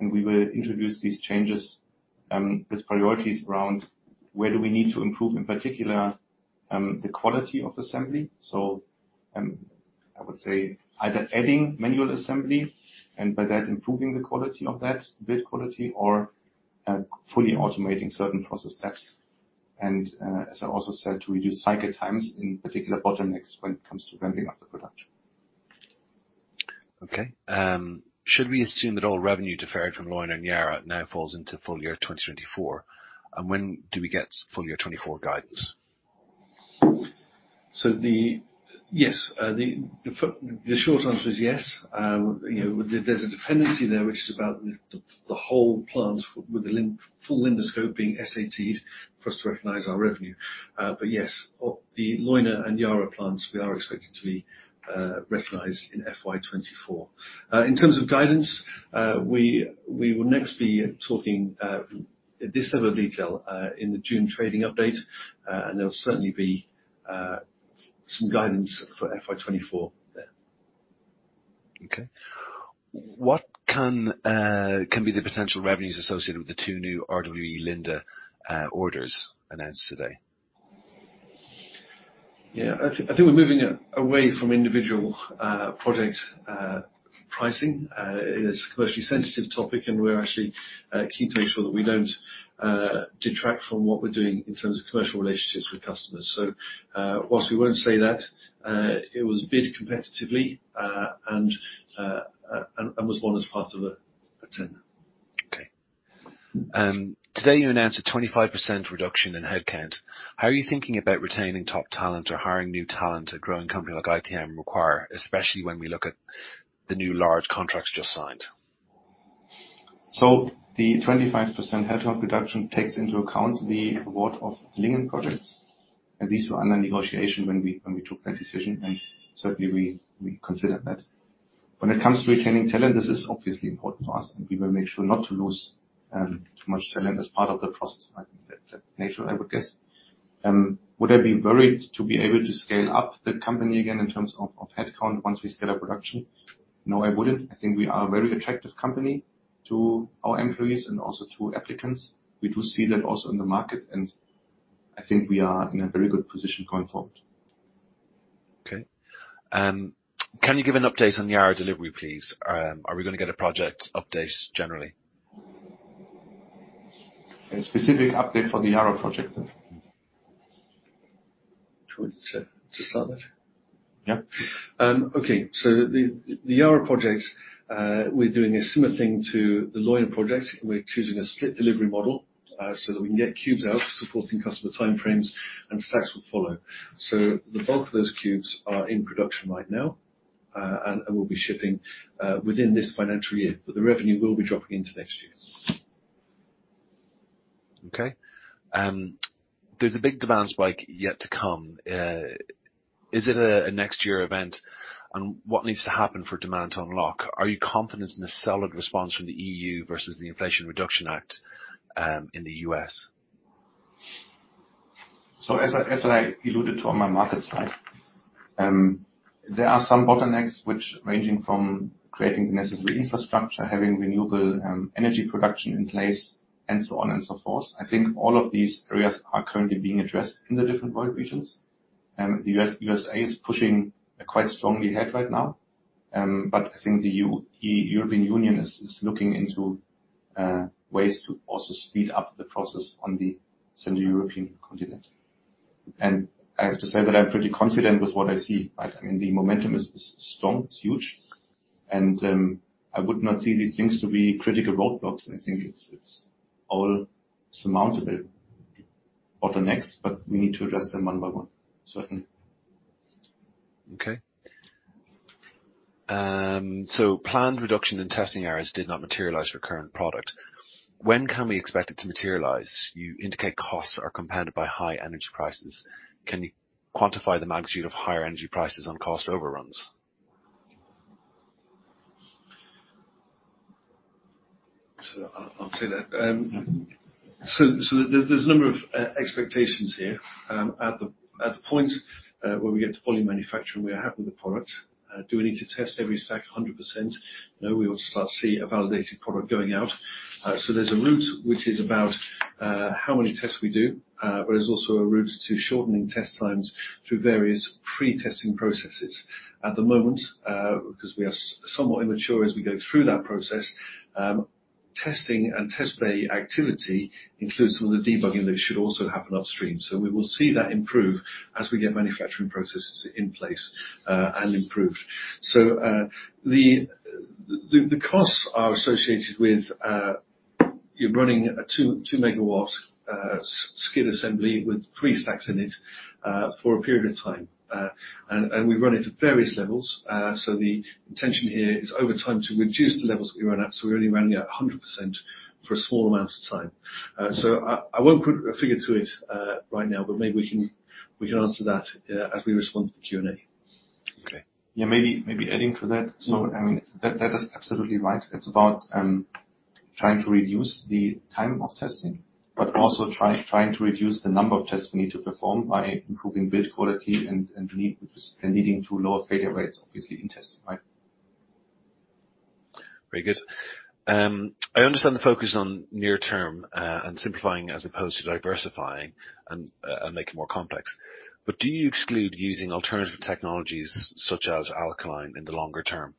and we will introduce these changes with priorities around where do we need to improve, in particular, the quality of assembly. I would say either adding manual assembly and by that improving the quality of that build quality or fully automating certain process steps. As I also said, to reduce cycle times, in particular bottlenecks when it comes to ramping up the production. Should we assume that all revenue deferred from Leuna and Yara now falls into full year 2024? When do we get full year 2024 guidance? Yes. The short answer is yes. You know, there's a dependency there, which is about the whole plant with the full Linde scope being SAT-ed for us to recognize our revenue. Yes, the Leuna and Yara plants we are expecting to be recognized in FY 2024. In terms of guidance, we will next be talking at this level of detail in the June trading update, and there'll certainly be some guidance for FY 2024 there. Okay. What can be the potential revenues associated with the two new RWE Linde orders announced today? Yeah. I think we're moving away from individual project pricing. It is a commercially sensitive topic, and we're actually keen to ensure that we don't detract from what we're doing in terms of commercial relationships with customers. Whilst we won't say that it was bid competitively and was won as part of a tender. Okay. Today you announced a 25% reduction in headcount. How are you thinking about retaining top talent or hiring new talent a growing company like ITM require, especially when we look at the new large contracts just signed? The 25% headcount reduction takes into account the award of the Lingen projects, and these were under negotiation when we took that decision, and certainly we considered that. When it comes to retaining talent, this is obviously important to us, and we will make sure not to lose too much talent as part of the process. I think that's natural, I would guess. Would I be worried to be able to scale up the company again in terms of headcount once we scale up production? No, I wouldn't. I think we are a very attractive company to our employees and also to applicants. We do see that also in the market, and I think we are in a very good position going forward. Okay. Can you give an update on Yara delivery, please? Are we gonna get a project update generally? A specific update for the Yara project? Do you want me to start that? Yeah. Okay. The Yara project, we're doing a similar thing to the Lingen project. We're choosing a split delivery model, so that we can get cubes out, supporting customer timeframes, and stacks will follow. The bulk of those cubes are in production right now, and will be shipping within this financial year, but the revenue will be dropping into next year. Okay. There's a big demand spike yet to come. Is it a next year event? What needs to happen for demand to unlock? Are you confident in the solid response from the EU versus the Inflation Reduction Act in the U.S.? As I alluded to on my market slide, there are some bottlenecks which ranging from creating the necessary infrastructure, having renewable energy production in place, and so on and so forth. I think all of these areas are currently being addressed in the different world regions. The USA is pushing quite strongly ahead right now. I think the EU, European Union is looking into ways to also speed up the process on the Central European continent. I have to say that I'm pretty confident with what I see. I think the momentum is strong. It's huge. I would not see these things to be critical roadblocks. I think it's all surmountable or the next, but we need to address them one by one, certainly. Okay. Planned reduction in testing errors did not materialize for current product. When can we expect it to materialize? You indicate costs are compounded by high energy prices. Can you quantify the magnitude of higher energy prices on cost overruns? I'll say that. There's a number of expectations here. At the point where we get to fully manufacturing, we are happy with the product. Do we need to test every stack 100%? No. We ought to start to see a validated product going out. There's a route which is about how many tests we do, but there's also a route to shortening test times through various pre-testing processes. At the moment, because we are somewhat immature as we go through that process, testing and test bay activity includes some of the debugging that should also happen upstream. We will see that improve as we get manufacturing processes in place and improved. The costs are associated with, you're running a 2 MW skid assembly with three stacks in it, for a period of time. We run it at various levels. The intention here is over time to reduce the levels that we run at, so we're only running at 100% for a small amount of time. I won't put a figure to it right now, but maybe we can answer that as we respond to the Q&A. Okay. Yeah, maybe adding to that. I mean, that is absolutely right. It's about, trying to reduce the time of testing, but also trying to reduce the number of tests we need to perform by improving build quality and leading to lower failure rates, obviously, in testing, right? Very good. I understand the focus on near term, and simplifying as opposed to diversifying and making more complex, but do you exclude using alternative technologies such as alkaline in the longer term?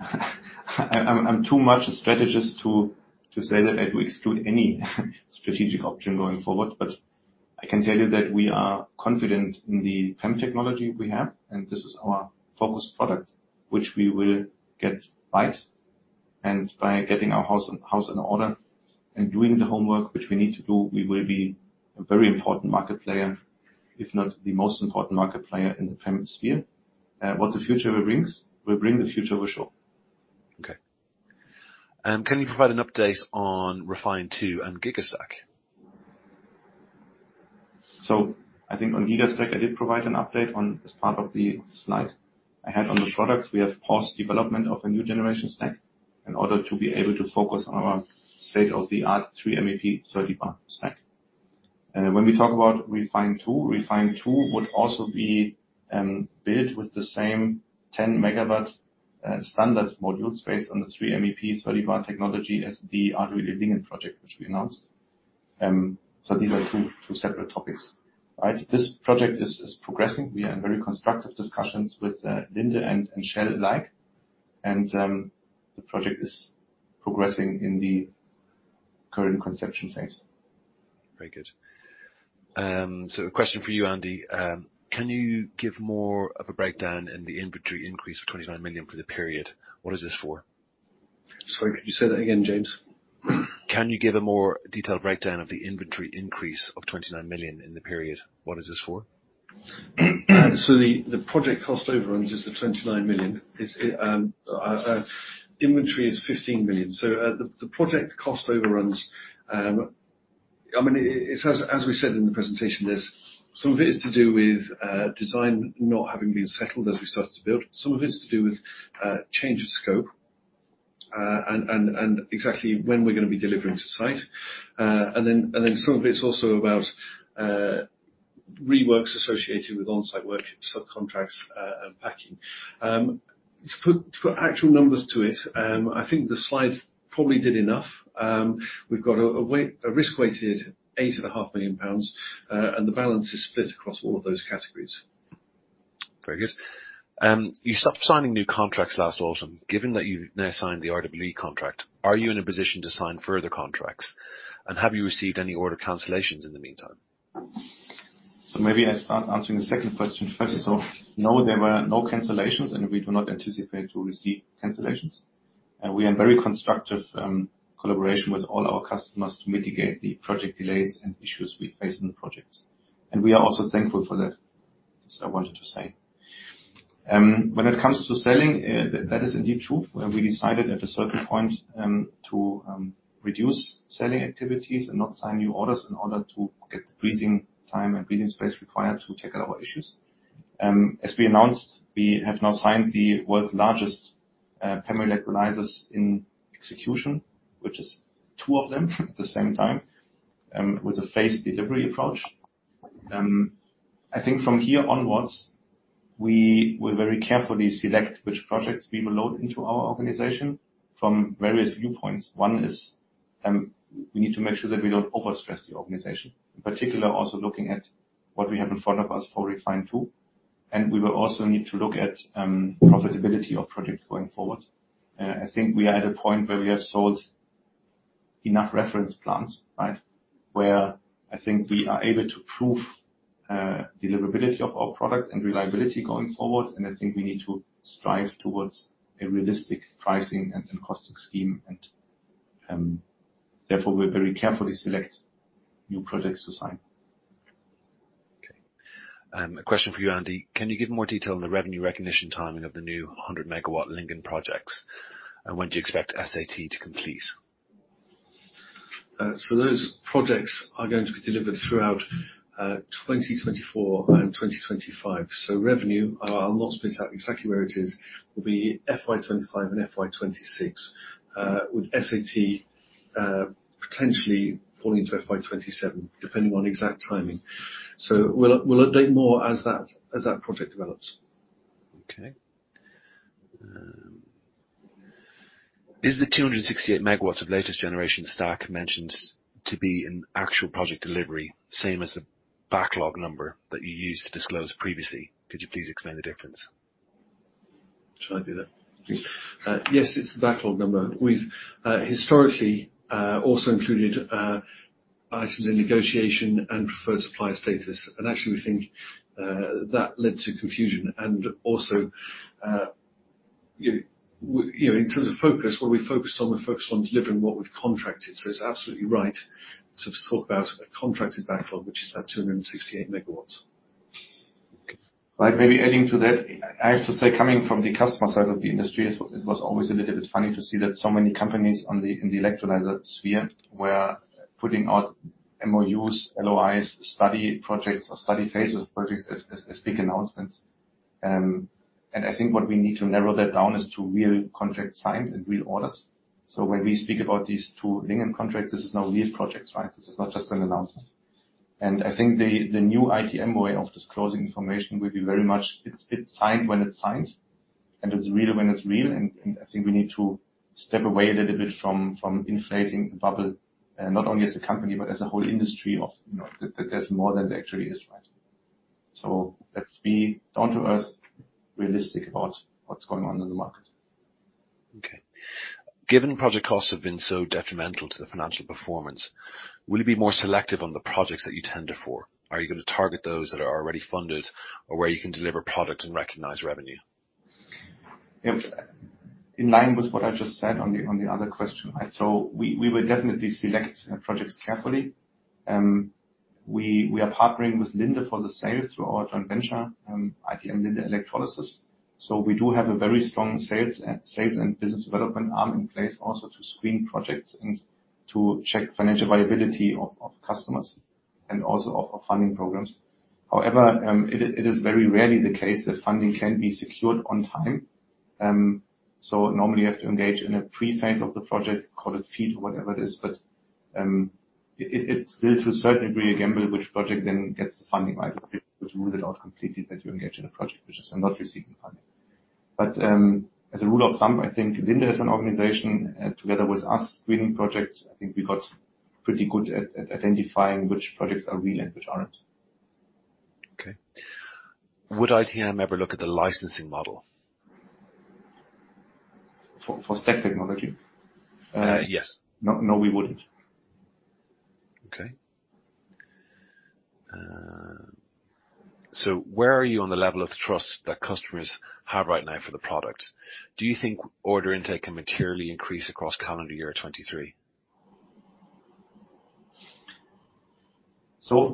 I'm too much a strategist to say that I'd exclude any strategic option going forward. I can tell you that we are confident in the PEM technology we have. This is our focus product, which we will get right. By getting our house in order and doing the homework which we need to do, we will be a very important market player, if not the most important market player in the PEM sphere. What the future brings will show. Can you provide an update on REFHYNE II and Gigastack? I think on Gigastack, I did provide an update on as part of the slide I had. On the products, we have paused development of a new generation stack in order to be able to focus on our state-of-the-art 3 MEP 30 bar stack. When we talk about REFHYNE II, REFHYNE II would also be built with the same 10-MW standards modules based on the 3 MEP 30 bar technology as the RWE Lingen project, which we announced. These are two separate topics. Right? This project is progressing. We are in very constructive discussions with Linde and Shell alike, and the project is progressing in the current conception phase. Very good. A question for you, Andy. Can you give more of a breakdown in the inventory increase of 29 million for the period? What is this for? Sorry, could you say that again, James? Can you give a more detailed breakdown of the inventory increase of 29 million in the period? What is this for? The project cost overruns is 29 million. It's inventory is 15 million. The project cost overruns, I mean, it's as we said in the presentation, there's some of it is to do with design not having been settled as we started to build. Some of it is to do with change of scope, and exactly when we're gonna be delivering to site. Some of it's also about reworks associated with on-site work, subcontracts, and packing. To put actual numbers to it, I think the slide probably did enough. We've got a risk-weighted eight and a half million pounds, and the balance is split across all of those categories. Very good. You stopped signing new contracts last autumn. Given that you've now signed the RWE contract, are you in a position to sign further contracts? Have you received any order cancellations in the meantime? Maybe I start answering the second question first. No, there were no cancellations, and we do not anticipate to receive cancellations. We are in very constructive collaboration with all our customers to mitigate the project delays and issues we face in the projects. We are also thankful for that, as I wanted to say. When it comes to selling, that is indeed true. We decided at a certain point to reduce selling activities and not sign new orders in order to get the breathing time and breathing space required to tackle our issues. As we announced, we have now signed the world's largest permanent electrolyzers in execution, which is two of them at the same time, with a phased delivery approach. I think from here onwards, we will very carefully select which projects we will load into our organization from various viewpoints. One is, we need to make sure that we don't overstress the organization, in particular, also looking at what we have in front of us for REFHYNE II, and we will also need to look at profitability of projects going forward. I think we are at a point where we have sold enough reference plans, right? Where I think we are able to prove deliverability of our product and reliability going forward, and I think we need to strive towards a realistic pricing and costing scheme. Therefore we very carefully select new projects to sign. Okay. A question for you, Andy. Can you give more detail on the revenue recognition timing of the new 100 MW Lingen projects, and when do you expect SAT to complete? Those projects are going to be delivered throughout, 2024 and 2025. Revenue, I'll not split out exactly where it is, will be FY 2025 and FY 2026, with SAT, potentially falling into FY 2027, depending on exact timing. We'll update more as that project develops. Is the 268 MW of latest generation stack mentioned to be an actual project delivery same as the backlog number that you used to disclose previously? Could you please explain the difference? Should I do that? Yes. Yes, it's the backlog number. We've historically also included items in negotiation and preferred supplier status. Actually we think that led to confusion and also, you know, in terms of focus, what we focused on, we focused on delivering what we've contracted. It's absolutely right to talk about a contracted backlog, which is at 268 MW. Okay. Right. Maybe adding to that, I have to say, coming from the customer side of the industry, it was always a little bit funny to see that so many companies in the electrolyzer sphere were putting out MOUs, LOIs, study projects or study phases of projects as big announcements. I think what we need to narrow that down is to real contracts signed and real orders. When we speak about these two Lingen contracts, this is now real projects, right? I think the new ITM way of disclosing information will be very much it's signed when it's signed, and it's real when it's real. I think we need to step away a little bit from inflating a bubble, not only as a company but as a whole industry of, you know, that there's more than there actually is. Right? Let's be down to earth, realistic about what's going on in the market. Okay. Given project costs have been so detrimental to the financial performance, will you be more selective on the projects that you tender for? Are you gonna target those that are already funded or where you can deliver product and recognize revenue? In line with what I just said on the other question, right. We will definitely select projects carefully. We are partnering with Linde for the sales through our joint venture, ITM Linde Electrolysis. We do have a very strong sales and business development arm in place also to screen projects and to check financial viability of customers and also offer funding programs. However, it is very rarely the case that funding can be secured on time. Normally you have to engage in a pre-phase of the project, call it FEED or whatever it is, but it still to a certain degree a gamble which project then gets the funding, right. It's a bit to rule it out completely that you engage in a project which is not receiving funding. As a rule of thumb, I think Linde as an organization, together with us screening projects, I think we got pretty good at identifying which projects are real and which aren't. Okay. Would ITM ever look at the licensing model? For stack technology? Yes. No, no, we wouldn't. Okay. Where are you on the level of trust that customers have right now for the product? Do you think order intake can materially increase across calendar year 2023?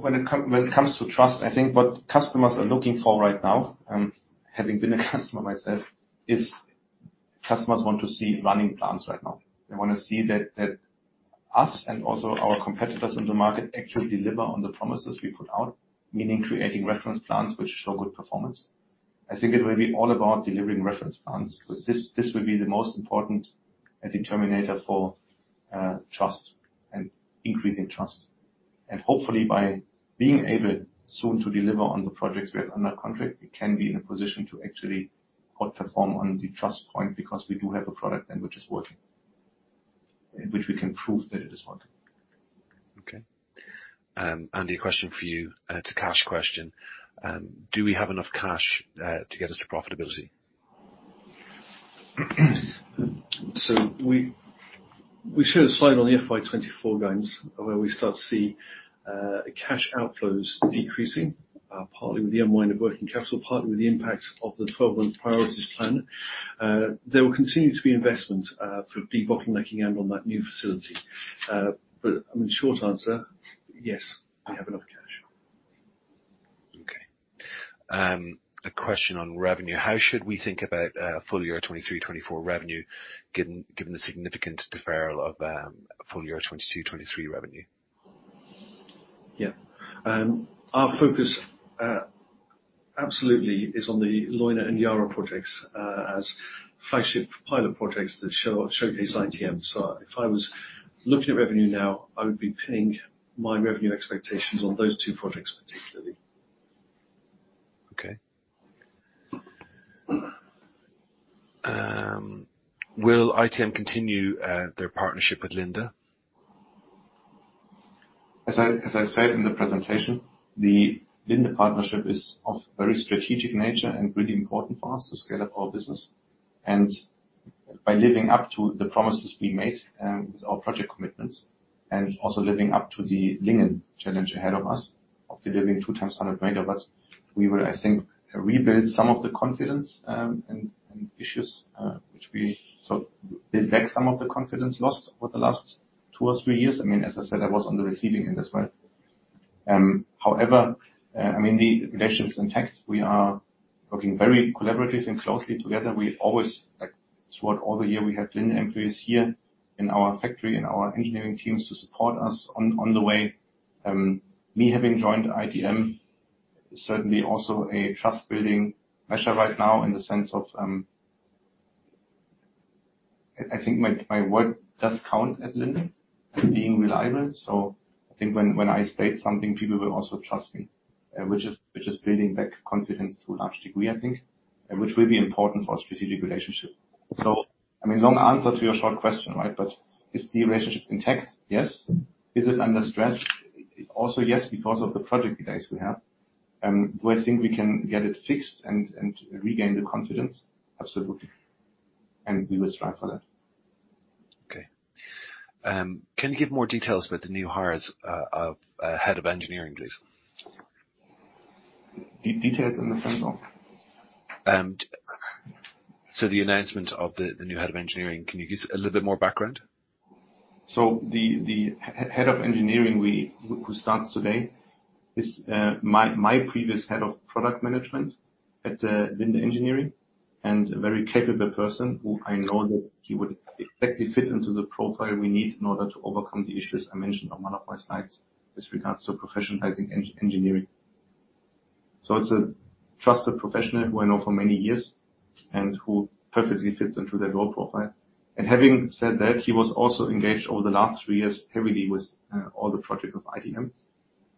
When it comes to trust, I think what customers are looking for right now, and having been a customer myself, is customers want to see running plants right now. They wanna see that us and also our competitors in the market actually deliver on the promises we put out, meaning creating reference plants which show good performance. I think it will be all about delivering reference plants. This will be the most important determinator for trust and increasing trust. Hopefully by being able soon to deliver on the projects we have under contract, we can be in a position to actually outperform on the trust point because we do have a product then which is working. Which we can prove that it is working. Okay. Andy, a question for you, and it's a cash question. Do we have enough cash to get us to profitability? We showed a slide on the FY 2024 guidance where we start to see cash outflows decreasing, partly with the unwind of working capital, partly with the impact of the 12-month priorities plan. There will continue to be investment for de-bottlenecking and on that new facility. I mean, short answer, yes, we have enough cash. Okay. A question on revenue: How should we think about full year 2023, 2024 revenue given the significant deferral of full year 2022, 2023 revenue? Our focus absolutely is on the Leuna and Yara projects as flagship pilot projects that showcase ITM. If I was looking at revenue now, I would be pinning my revenue expectations on those two projects particularly. Okay. Will ITM continue their partnership with Linde? As I said in the presentation, the Linde partnership is of very strategic nature and really important for us to scale up our business. By living up to the promises we made with our project commitments and also living up to the Lingen challenge ahead of us of delivering 2x 100 MW, we will, I think, build back some of the confidence lost over the last two years or three years. I mean, as I said, I was on the receiving end as well. However, I mean the relationship is intact. We are working very collaboratively and closely together. We always, like, throughout all the year, we had Linde employees here in our factory, in our engineering teams to support us on the way. Me having joined ITM is certainly also a trust-building measure right now in the sense of, I think my work does count at Linde as being reliable. I think when I state something, people will also trust me, which is building back confidence to a large degree, I think, and which will be important for our strategic relationship. I mean, long answer to your short question, right? Is the relationship intact? Yes. Is it under stress? Also yes, because of the project delays we have. Do I think we can get it fixed and regain the confidence? Absolutely. We will strive for that. Can you give more details about the new hire as head of engineering, please? The details in the same zone. The announcement of the new head of engineering, can you give us a little bit more background? The head of engineering who starts today is my previous head of product management at Linde Engineering and a very capable person who I know that he would exactly fit into the profile we need in order to overcome the issues I mentioned on one of my slides with regards to professionalizing engineering. It's a trusted professional who I know for many years and who perfectly fits into that role profile. Having said that, he was also engaged over the last three years heavily with all the projects of ITM,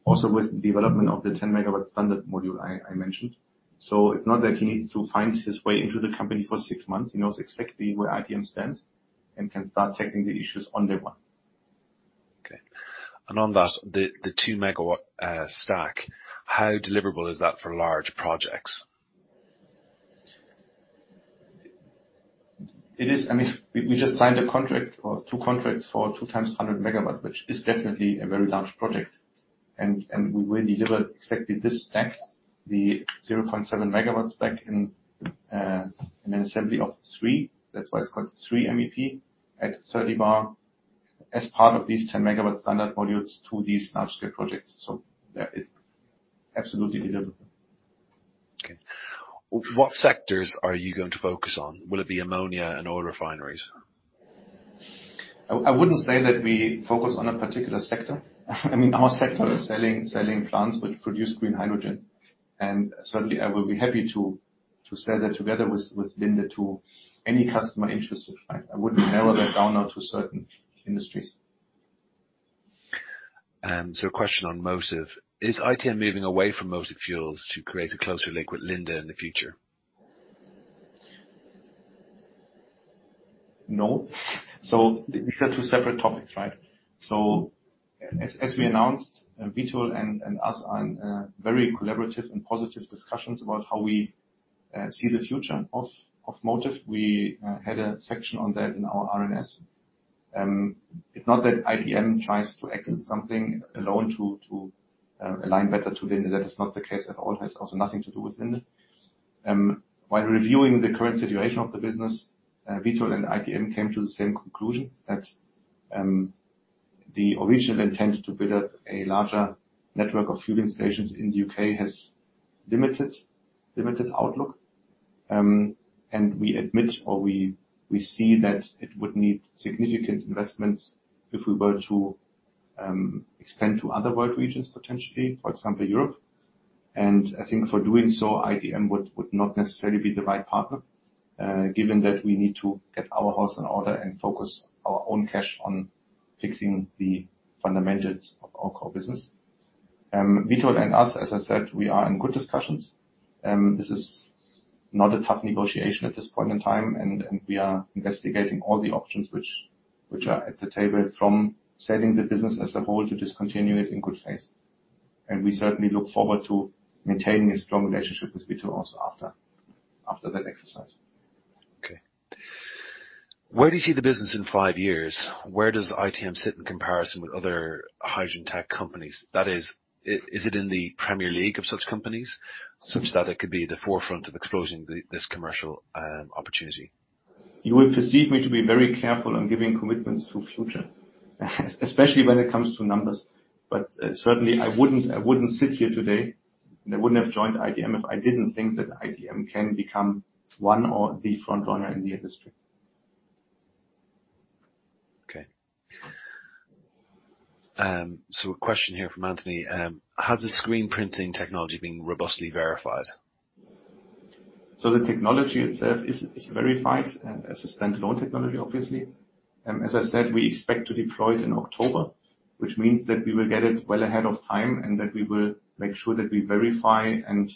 also with the development of the 10 MW standard module I mentioned. It's not that he needs to find his way into the company for six months. He knows exactly where ITM stands and can start tackling the issues on day one. Okay. On that, the 2 MW stack, how deliverable is that for large projects? It is. I mean, we just signed a contract or two contracts for 2x 100 MW, which is definitely a very large project. We will deliver exactly this stack, the 0.7 MW stack in an assembly of three. That's why it's called 3 MEP at 30 bar as part of these 10 MW standard modules to these large scale projects. Yeah, it's absolutely deliverable. Okay. What sectors are you going to focus on? Will it be ammonia and oil refineries? I wouldn't say that we focus on a particular sector. I mean, our sector is selling plants which produce green hydrogen. Certainly, I will be happy to sell that together with Linde to any customer interested, right? I wouldn't narrow that down now to certain industries. A question on Motive. Is ITM moving away from Motive Fuels to create a closer link with Linde in the future? No. These are two separate topics, right? As we announced, Vitol and us are in very collaborative and positive discussions about how we see the future of Motive. We had a section on that in our RNS. It's not that ITM tries to exit something alone to align better to Linde. That is not the case at all. It has also nothing to do with Linde. While reviewing the current situation of the business, Vitol and ITM came to the same conclusion that the original intent to build up a larger network of fueling stations in the UK has limited outlook. We admit or we see that it would need significant investments if we were to expand to other world regions, potentially, for example, Europe. I think for doing so, ITM would not necessarily be the right partner, given that we need to get our house in order and focus our own cash on fixing the fundamentals of our core business. Vitol and us, as I said, we are in good discussions. This is not a tough negotiation at this point in time, and we are investigating all the options which are at the table from selling the business as a whole to discontinue it in good faith. We certainly look forward to maintaining a strong relationship with Vitol also after that exercise. Okay. Where do you see the business in five years? Where does ITM sit in comparison with other hydrogen tech companies? That is it in the premier league of such companies, such that it could be the forefront of exploring this commercial opportunity? You will perceive me to be very careful on giving commitments to future, especially when it comes to numbers. Certainly I wouldn't sit here today, and I wouldn't have joined ITM if I didn't think that ITM can become one or the front runner in the industry. Okay. A question here from Anthony. Has the screen printing technology been robustly verified? The technology itself is verified as a standalone technology, obviously. As I said, we expect to deploy it in October, which means that we will get it well ahead of time, and that we will make sure that we verify and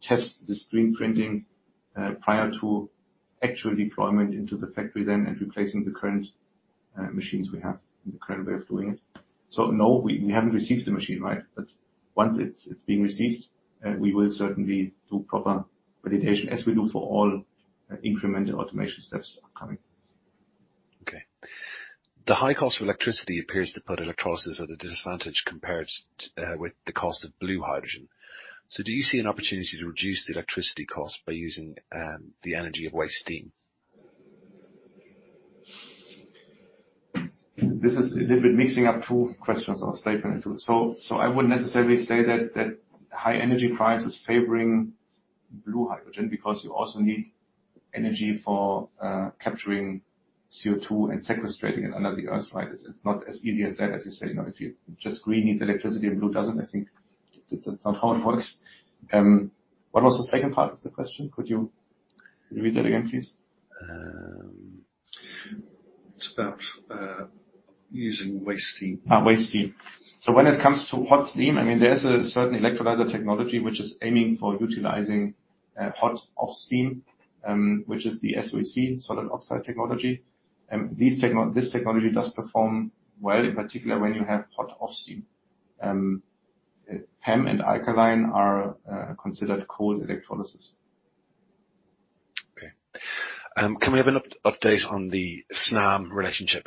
test the screen printing prior to actual deployment into the factory then, and replacing the current machines we have and the current way of doing it. No, we haven't received the machine, right? But once it's been received, we will certainly do proper validation as we do for all incremental automation steps coming. Okay. The high cost of electricity appears to put electrolysis at a disadvantage compared with the cost of blue hydrogen. Do you see an opportunity to reduce the electricity cost by using the energy of waste steam? This is a little bit mixing up two questions or statement. I wouldn't necessarily say that that high energy price is favoring blue hydrogen because you also need energy for capturing CO2 and sequestrating it under the Earth, right? It's not as easy as that, as you say, you know, if you just green needs electricity and blue doesn't. I think that's not how it works. What was the second part of the question? Could you read that again, please? It's about using waste steam. Waste steam. When it comes to hot steam, there's a certain electrolyzer technology which is aiming for utilizing hot off steam, which is the SOC, solid oxide technology. This technology does perform well, in particular, when you have hot off steam. PEM and alkaline are considered cold electrolysis. Okay. Can we have an update on the Snam relationship?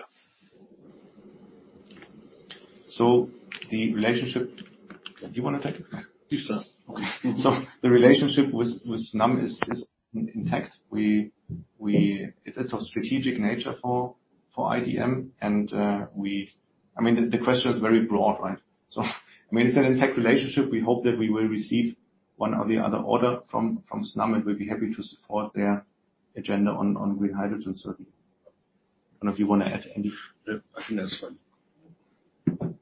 The relationship... Do you wanna take it? Please do. Okay. The relationship with Snam is intact. It's of strategic nature for ITM and, I mean, the question is very broad, right? I mean, it's an intact relationship. We hope that we will receive one or the other order from Snam, and we'll be happy to support their agenda on green hydrogen, certainly. I don't know if you wanna add. No. I think that's fine.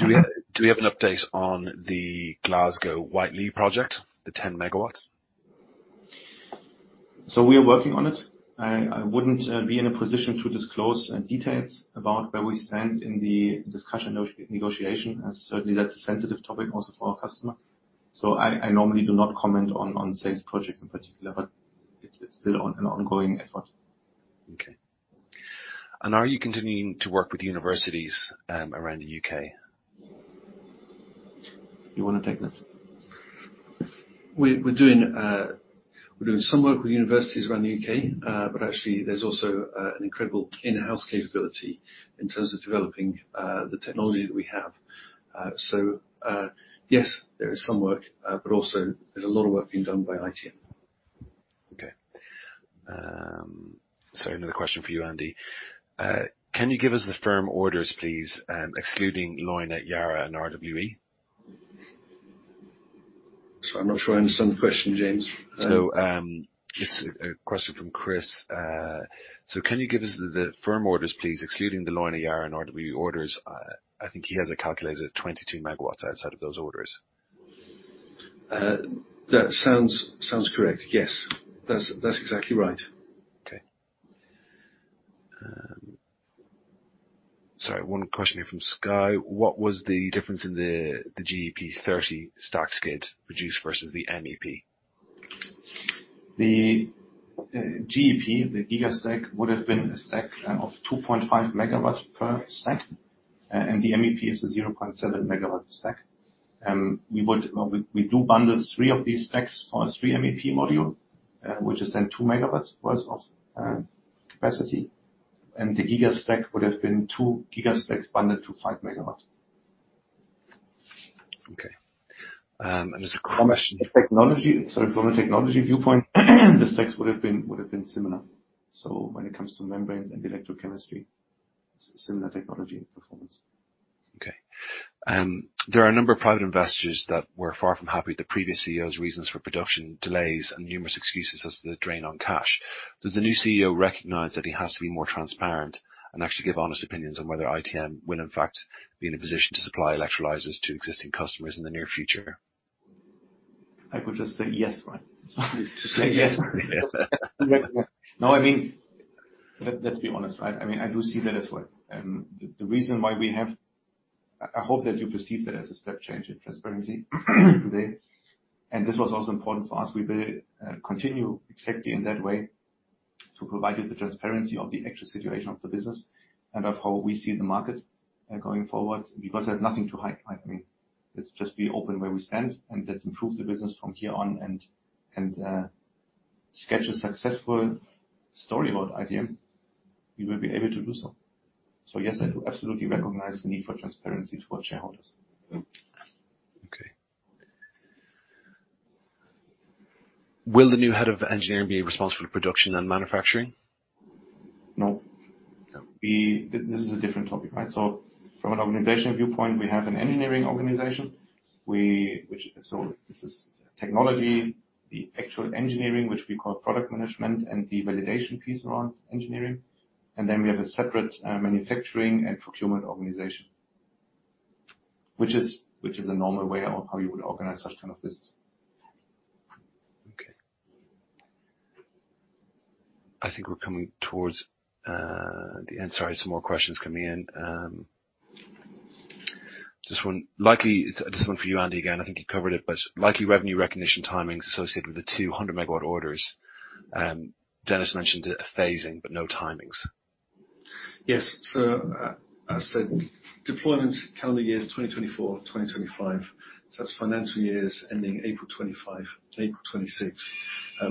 Okay. Do we have an update on the Glasgow Whitelee Project, the 10 MW? We are working on it. I wouldn't be in a position to disclose details about where we stand in the discussion negotiation as certainly that's a sensitive topic also for our customer. I normally do not comment on sales projects in particular, but it's still an ongoing effort. Okay. Are you continuing to work with universities, around the U.K.? You wanna take that? We're doing some work with universities around the U.K., but actually, there's also an incredible in-house capability in terms of developing the technology that we have. Yes, there is some work, but also there's a lot of work being done by ITM. Okay. Another question for you, Andy. Can you give us the firm orders, please, excluding Lingen at Yara and RWE? Sorry, I'm not sure I understand the question, James. It's a question from Chris. Can you give us the firm orders, please, excluding the LOIs at Yara and RWE orders? I think he has it calculated at 22 MW outside of those orders. That sounds correct. Yes. That's exactly right. Okay. Sorry, one question here from Skye. What was the difference in the MEP 30 stack skid produced versus the MEP? The GEP, the Gigastack, would've been a stack of 2.5 MW per stack, and the MEP is a 0.7 MW stack. We do bundle three of these stacks on a 3 MEP module, which is then 2 MW worth of capacity, and the Gigastack would've been 2 Gigastacks bundled to 5 MW. Okay. there's a question. Sorry. From a technology viewpoint, the stacks would've been similar. When it comes to membranes and electrochemistry, similar technology and performance. There are a number of private investors that were far from happy with the previous CEO's reasons for production delays and numerous excuses as to the drain on cash. Does the new CEO recognize that he has to be more transparent and actually give honest opinions on whether ITM will in fact be in a position to supply electrolyzers to existing customers in the near future? I could just say yes, right? Say yes. No, I mean, let's be honest, right? I mean, I do see that as well. The reason why we have... I hope that you perceive that as a step change in transparency today, and this was also important for us. We will continue exactly in that way to provide you the transparency of the actual situation of the business and of how we see the market going forward. There's nothing to hide. I mean, let's just be open where we stand, and let's improve the business from here on and sketch a successful story about ITM. We will be able to do so. Yes, I do absolutely recognize the need for transparency for shareholders. Okay. Will the new head of engineering be responsible to production and manufacturing? No. No. This is a different topic, right? From an organizational viewpoint, we have an engineering organization. Which, this is technology, the actual engineering which we call product management and the validation piece around engineering. Then we have a separate manufacturing and procurement organization, which is a normal way of how you would organize such kind of business. Okay. I think we're coming towards the end. Sorry, some more questions coming in. Just one. This is one for you, Andy, again. I think you covered it, but likely revenue recognition timing associated with the 200 MW orders. Dennis mentioned a phasing, but no timings. Yes. As said, deployment calendar years 2024, 2025. That's financial years ending April 25-April 26,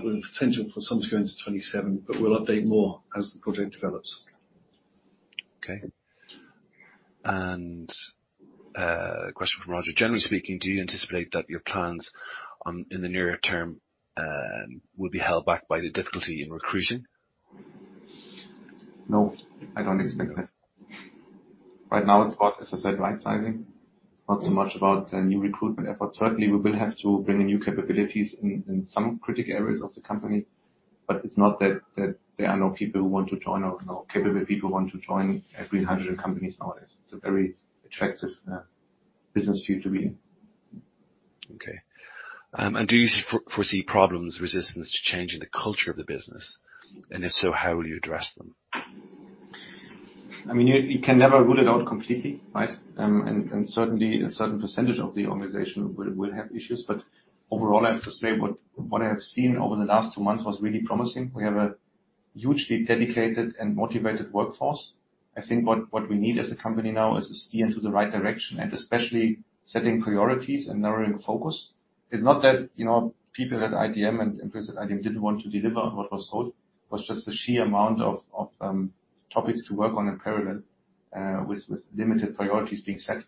with potential for some to go into April 27. We'll update more as the project develops. Okay. Question from Roger: Generally speaking, do you anticipate that your plans in the nearer term will be held back by the difficulty in recruiting? No, I don't expect that. Right now it's about, as I said, right sizing. It's not so much about new recruitment efforts. Certainly we will have to bring in new capabilities in some critical areas of the company. It's not that there are no people who want to join or no capable people who want to join a green hydrogen company nowadays. It's a very attractive business for you to be in. Okay. Do you foresee problems resistance to change in the culture of the business? If so, how will you address them? I mean, you can never rule it out completely, right? And certainly a certain percentage of the organization will have issues. Overall, I have to say what I have seen over the last two months was really promising. We have a hugely dedicated and motivated workforce. I think what we need as a company now is to steer into the right direction, and especially setting priorities and narrowing the focus. It's not that, you know, people at ITM and implicit ITM didn't want to deliver what was sold. It was just the sheer amount of topics to work on in parallel with limited priorities being set.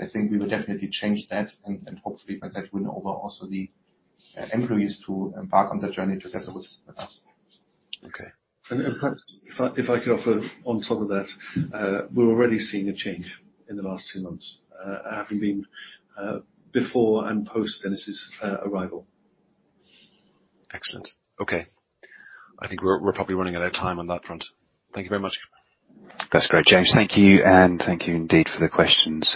I think we will definitely change that and hopefully by that win over also the employees to embark on the journey together with us. Okay. Perhaps if I could offer on top of that, we're already seeing a change in the last two months, having been before and post Dennis's arrival. Excellent. I think we're probably running out of time on that front. Thank you very much. That's great, James. Thank you and thank you indeed for the questions.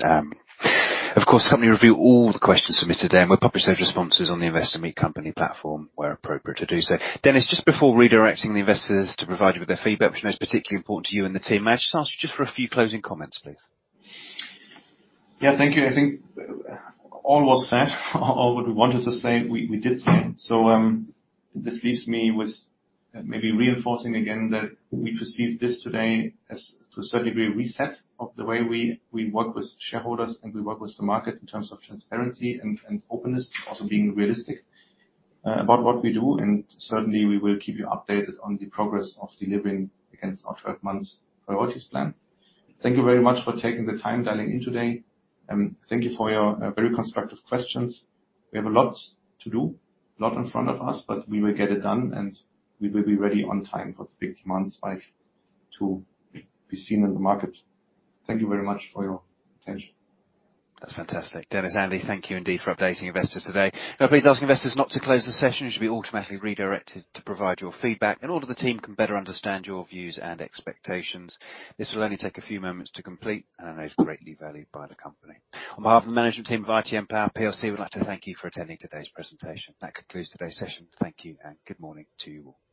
Of course, help me review all the questions submitted today, and we'll publish those responses on the Investor Meet Company platform where appropriate to do so. Dennis, just before redirecting the investors to provide you with their feedback, which is most particularly important to you and the team, may I just ask you for a few closing comments, please? Yeah, thank you. I think, all was said. All what we wanted to say, we did say. This leaves me with maybe reinforcing again that we perceive this today as to a certain degree, a reset of the way we work with shareholders and we work with the market in terms of transparency and openness, also being realistic about what we do. Certainly, we will keep you updated on the progress of delivering against our 12 months priorities plan. Thank you very much for taking the time dialing in today, and thank you for your very constructive questions. We have a lot to do, a lot in front of us, but we will get it done, and we will be ready on time for the big months to be seen in the market. Thank you very much for your attention. That's fantastic. Dennis, Andy, thank you indeed for updating investors today. Please ask investors not to close the session. You should be automatically redirected to provide your feedback in order the team can better understand your views and expectations. This will only take a few moments to complete and are most greatly valued by the company. On behalf of the management team of ITM Power PLC, we'd like to thank you for attending today's presentation. That concludes today's session. Thank you and good morning to you all. Thank you.